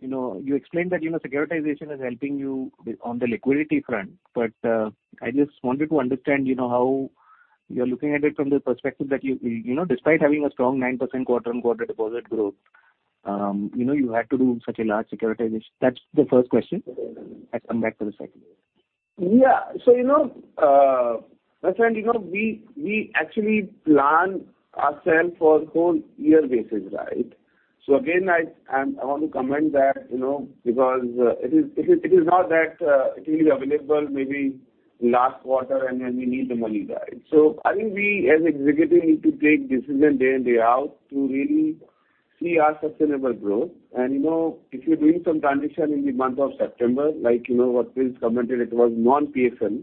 you know, you explained that securitization is helping you on the liquidity front, but I just wanted to understand, you know, how you're looking at it from the perspective that you... You know, despite having a strong 9% quarter-over-quarter deposit growth, you know, you had to do such a large securitization. That's the first question. I'll come back to the second.... Yeah. So you know, my friend, you know, we, we actually plan ourself for whole year basis, right? So again, I, I'm- I want to comment that, you know, because, it is, it is, it is not that, it will be available maybe last quarter, and then we need the money, right? So I think we as executive need to take decision day in, day out to really see our sustainable growth. And, you know, if you're doing some transition in the month of September, like, you know, what Prince commented, it was non-PSL.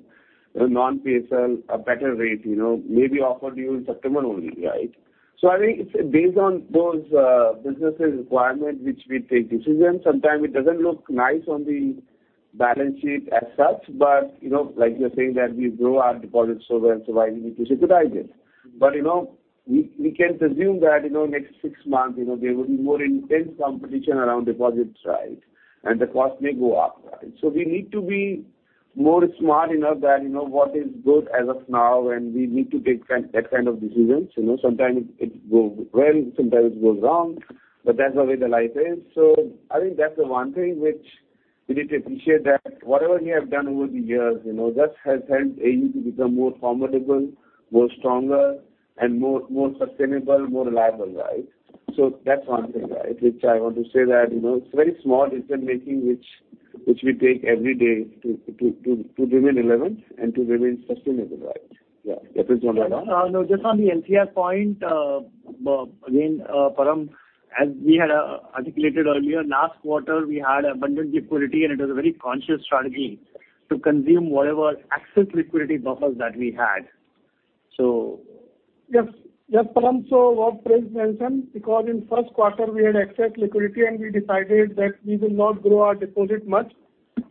Non-PSL, a better rate, you know, may be offered you in September only, right? So I think it's based on those, businesses requirement, which we take decisions. Sometimes it doesn't look nice on the balance sheet as such, but, you know, like you're saying that we grow our deposits so well, and so why we need to securitize it. But, you know, we, we can presume that, you know, next six months, you know, there will be more intense competition around deposits, right? And the cost may go up, right. So we need to be more smart enough that, you know, what is good as of now, and we need to take kind, that kind of decisions. You know, sometimes it, it goes well, sometimes it goes wrong, but that's the way the life is. So I think that's the one thing which we need to appreciate, that whatever we have done over the years, you know, that has helped AU to become more formidable, more stronger and more, more sustainable, more reliable, right? So that's one thing, right, which I want to say that, you may know, it's very small decision making, which we take every day to remain relevant and to remain sustainable, right? Yeah, that is one right. No, just on the LCR point, again, Param, as we had articulated earlier, last quarter, we had abundant liquidity, and it was a very conscious strategy to consume whatever excess liquidity buffers that we had. So- Yes, yes, Param, so what Phil mentioned, because in first quarter we had excess liquidity, and we decided that we will not grow our deposit much.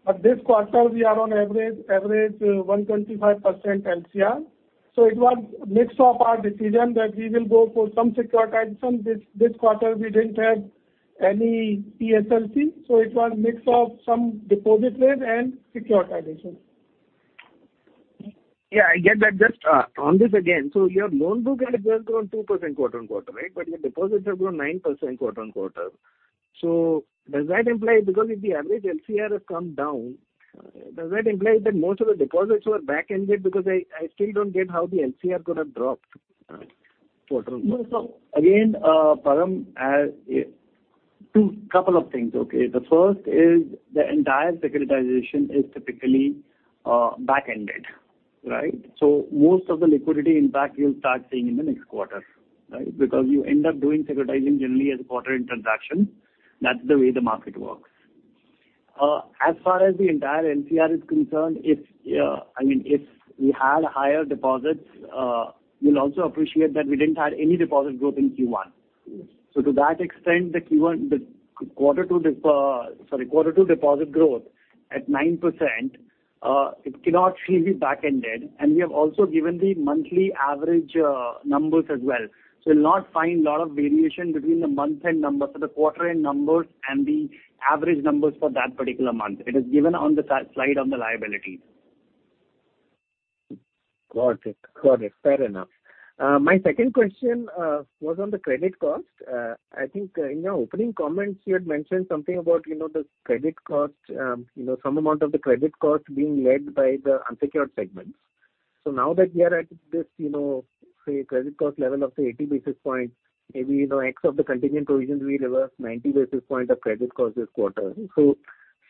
But this quarter we are on average, average 125% LCR. So it was mix of our decision that we will go for some securitization. This, this quarter, we didn't have any PSLC, so it was mix of some deposit rate and securitization. Yeah, I get that. Just, on this again, so your loan book has just grown 2% quarter-on-quarter, right? But your deposits have grown 9% quarter-on-quarter. So does that imply because if the average LCR has come down, does that imply that most of the deposits were back-ended? Because I, I still don't get how the LCR could have dropped, quarter-on-quarter. No. So again, Param, as to two, couple of things, okay? The first is the entire securitization is typically back-ended, right? So most of the liquidity, in fact, you'll start seeing in the next quarter, right? Because you end up doing securitizing generally as a quarter end transaction. That's the way the market works. As far as the entire LCR is concerned, if I mean, if we had higher deposits, you'll also appreciate that we didn't have any deposit growth in Q1. Yes. So to that extent, the Q1, the quarter to deposit growth at 9%, it cannot really be back-ended. And we have also given the monthly average numbers as well. So you'll not find a lot of variation between the month-end numbers or the quarter-end numbers and the average numbers for that particular month. It is given on the slide on the liabilities. Got it. Got it. Fair enough. My second question was on the credit cost. I think, in your opening comments, you had mentioned something about, you know, the credit cost, you know, some amount of the credit cost being led by the unsecured segments. So now that we are at this, you know, say, credit cost level of the 80 basis points, maybe, you know, X of the contingent provisions we reverse 90 basis point of credit cost this quarter. So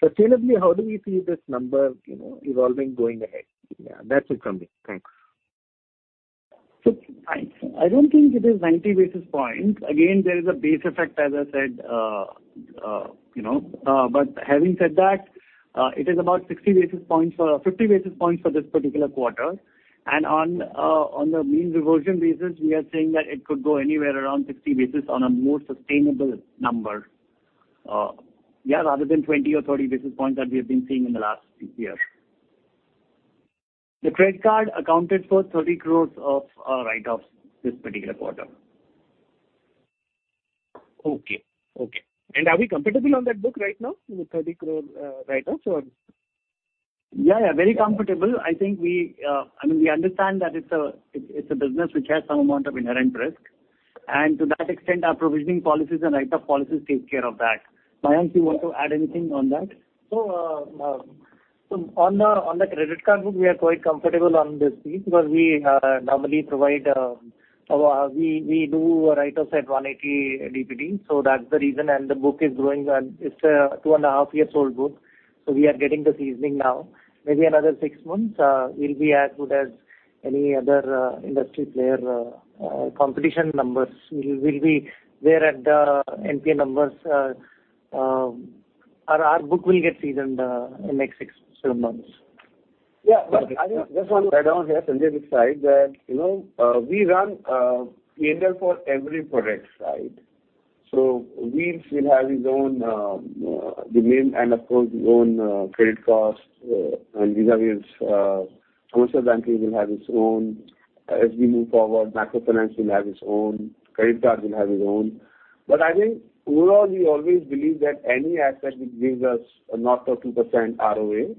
sustainably, how do we see this number, you know, evolving going ahead? Yeah, that's it from me. Thanks. So I don't think it is 90 basis points. Again, there is a base effect, as I said, you know. But having said that, it is about 60 basis points for 50 basis points for this particular quarter. And on the mean reversion basis, we are saying that it could go anywhere around 60 basis on a more sustainable number, yeah, rather than 20 or 30 basis points that we have been seeing in the last year. The credit card accounted for 30 crore of write-offs this particular quarter. Okay. Okay. And are we comfortable on that book right now, with the 30 crore write-offs or? Yeah, yeah, very comfortable. I think we, I mean, we understand that it's a, it's a business which has some amount of inherent risk, and to that extent, our provisioning policies and write-off policies take care of that. Mayank, you want to add anything on that? So, on the credit card book, we are quite comfortable on this piece, because we normally provide write-offs at 180 DPD, so that's the reason. And the book is growing, and it's a 2.5-year-old book, so we are getting the seasoning now. Maybe another six months, we'll be as good as any other industry player, competition numbers. We'll be there at the NPA numbers. Our book will get seasoned in the next 6-7 months. Yeah, I just want to add on here, Sanjay this side, that, you know, we run a model for every product side. So wheels will have its own, the main and of course, the own, credit cost, and vis-à-vis commercial banking will have its own. As we move forward, microfinance will have its own, credit card will have its own. But I think overall, we always believe that any asset which gives us a north of 2% ROA,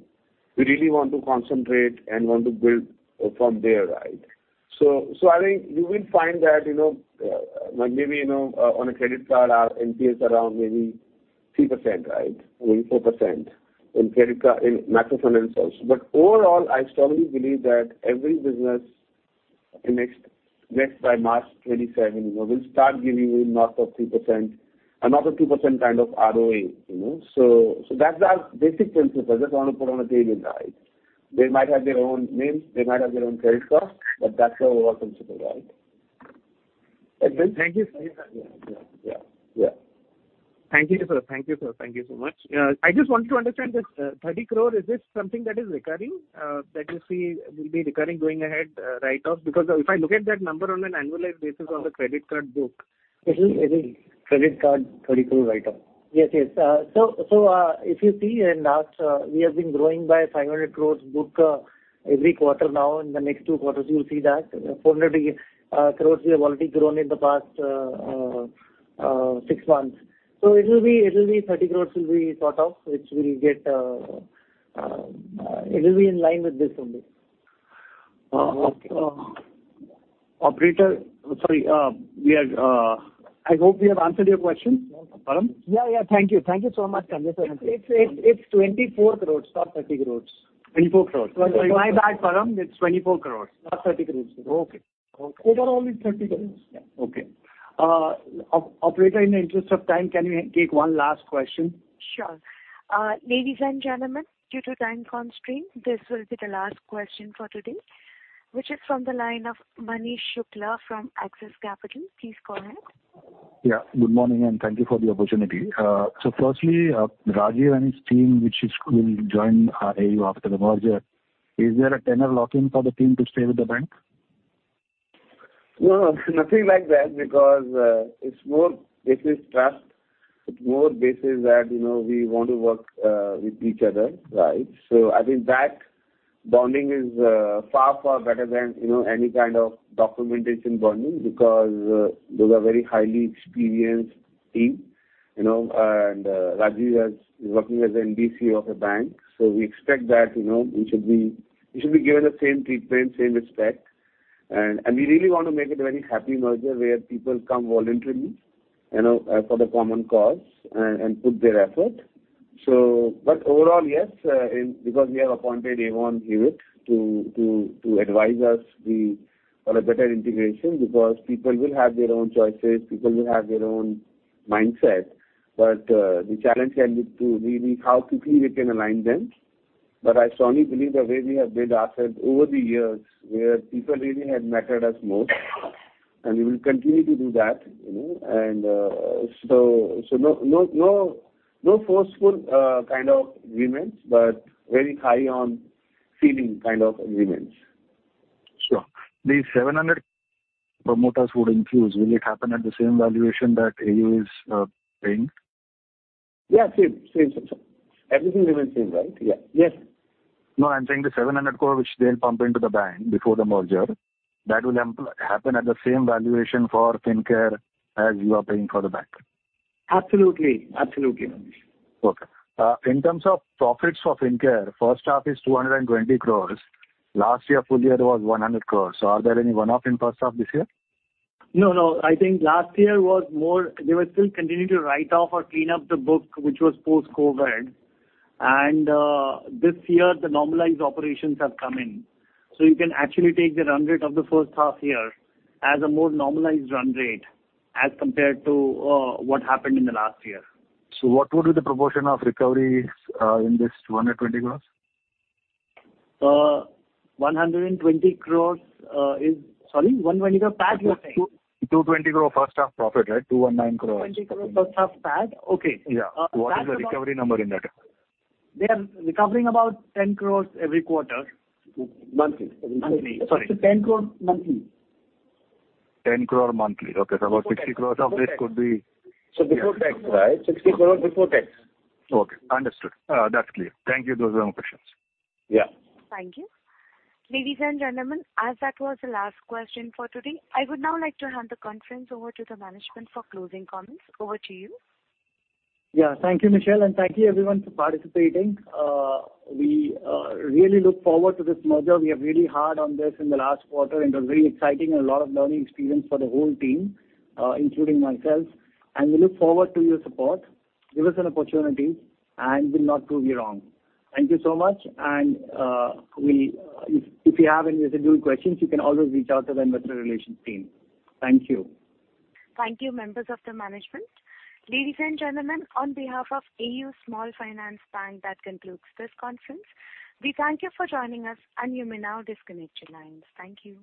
we really want to concentrate and want to build from there, right? So, I think you will find that, you know, maybe on a credit card, our NPAs around maybe 3%, right? Or 4% in credit card, in microfinance also. But overall, I strongly believe that every business in next, next, by March 2027, you know, will start giving you north of 3%, another 2% kind of ROA, you know. So that's our basic principle. I just want to put on the table, right? They might have their own names, they might have their own credit card, but that's our overall principle, right. Thank you, sir. Yeah. Yeah, yeah. Thank you, sir. Thank you, sir. Thank you so much. I just wanted to understand this, 30 crore, is this something that is recurring, that you see will be recurring going ahead, write-off? Because if I look at that number on an annualized basis on the credit card book- It is credit card, INR 30 crore write-off. Yes, yes. So, so, if you see in last, we have been growing by 500 crore book, every quarter now, in the next two quarters, you'll see that. 400 crore, we have already grown in the past, six months. So it'll be, it'll be 30 crore will be thought of, which will get, it will be in line with this only. Okay, operator, sorry, we are, I hope we have answered your question, Param? Yeah, yeah. Thank you. Thank you so much, Sanjay, sir. It's 24 crore, not 30 crore. Twenty-four crores. My bad, Param, it's 24 crore, not 30 crore. Okay. Okay. Overall, it's 30 crore. Yeah. Okay. Operator, in the interest of time, can we take one last question? Sure. Ladies and gentlemen, due to time constraint, this will be the last question for today, which is from the line of Manish Shukla from Axis Capital. Please go ahead. Yeah, good morning, and thank you for the opportunity. So firstly, Rajeev and his team, which will join AU after the merger, is there a tenure lock-in for the team to stay with the bank? No, nothing like that, because it's more basis trust, it's more basis that, you know, we want to work with each other, right? So I think that bonding is far, far better than, you know, any kind of documentation bonding, because those are very highly experienced team, you know, and Rajeev is working as a DC of a bank. So we expect that, you know, he should be, he should be given the same treatment, same respect. And we really want to make it a very happy merger, where people come voluntarily, you know, for the common cause and put their effort. But overall, yes, because we have appointed Aon Hewitt to advise us on a better integration, because people will have their own choices, people will have their own mindset, but the challenge will be to really how quickly we can align them. But I strongly believe the way we have built assets over the years, where people really have mattered us most, and we will continue to do that, you know? No, no, no, no forceful kind of agreements, but very high on feeling kind of agreements. Sure. The 700 promoters would infuse, will it happen at the same valuation that AU is paying? Yeah, same, same. Everything remains same, right? Yeah. Yes. No, I'm saying the 700 crore, which they'll pump into the bank before the merger, that will happen at the same valuation for Fincare as you are paying for the bank. Absolutely. Absolutely, Manish. Okay. In terms of profits for Fincare, first half is 220 crore. Last year, full year was 100 crore. Are there any one-off in first half this year? No, no, I think last year was more... They were still continuing to write off or clean up the book, which was post-COVID. And, this year, the normalized operations have come in. So you can actually take the run rate of the first half year as a more normalized run rate as compared to, what happened in the last year. What would be the proportion of recoveries in this 220 crore? 120 crores... Sorry, 120 crore PAT, you're saying? 220 crore first half profit, right? 219 crore. 20 crore first half PAT? Okay. Yeah. What is the recovery number in that? They are recovering about 10 crore every quarter. Monthly. Monthly, sorry. 10 crore monthly. 10 crore monthly. Okay, so about 60 crore of this could be- Before tax, right? 60 crore before tax. Okay, understood. That's clear. Thank you. Those are my questions. Yeah. Thank you. Ladies and gentlemen, as that was the last question for today, I would now like to hand the conference over to the management for closing comments. Over to you. Yeah, thank you, Michelle, and thank you everyone for participating. We really look forward to this merger. We have really hard on this in the last quarter, and it was very exciting and a lot of learning experience for the whole team, including myself. We look forward to your support. Give us an opportunity, and we'll not prove you wrong. Thank you so much, and if you have any residual questions, you can always reach out to the investor relations team. Thank you. Thank you, members of the management. Ladies and gentlemen, on behalf of AU Small Finance Bank, that concludes this conference. We thank you for joining us, and you may now disconnect your lines. Thank you.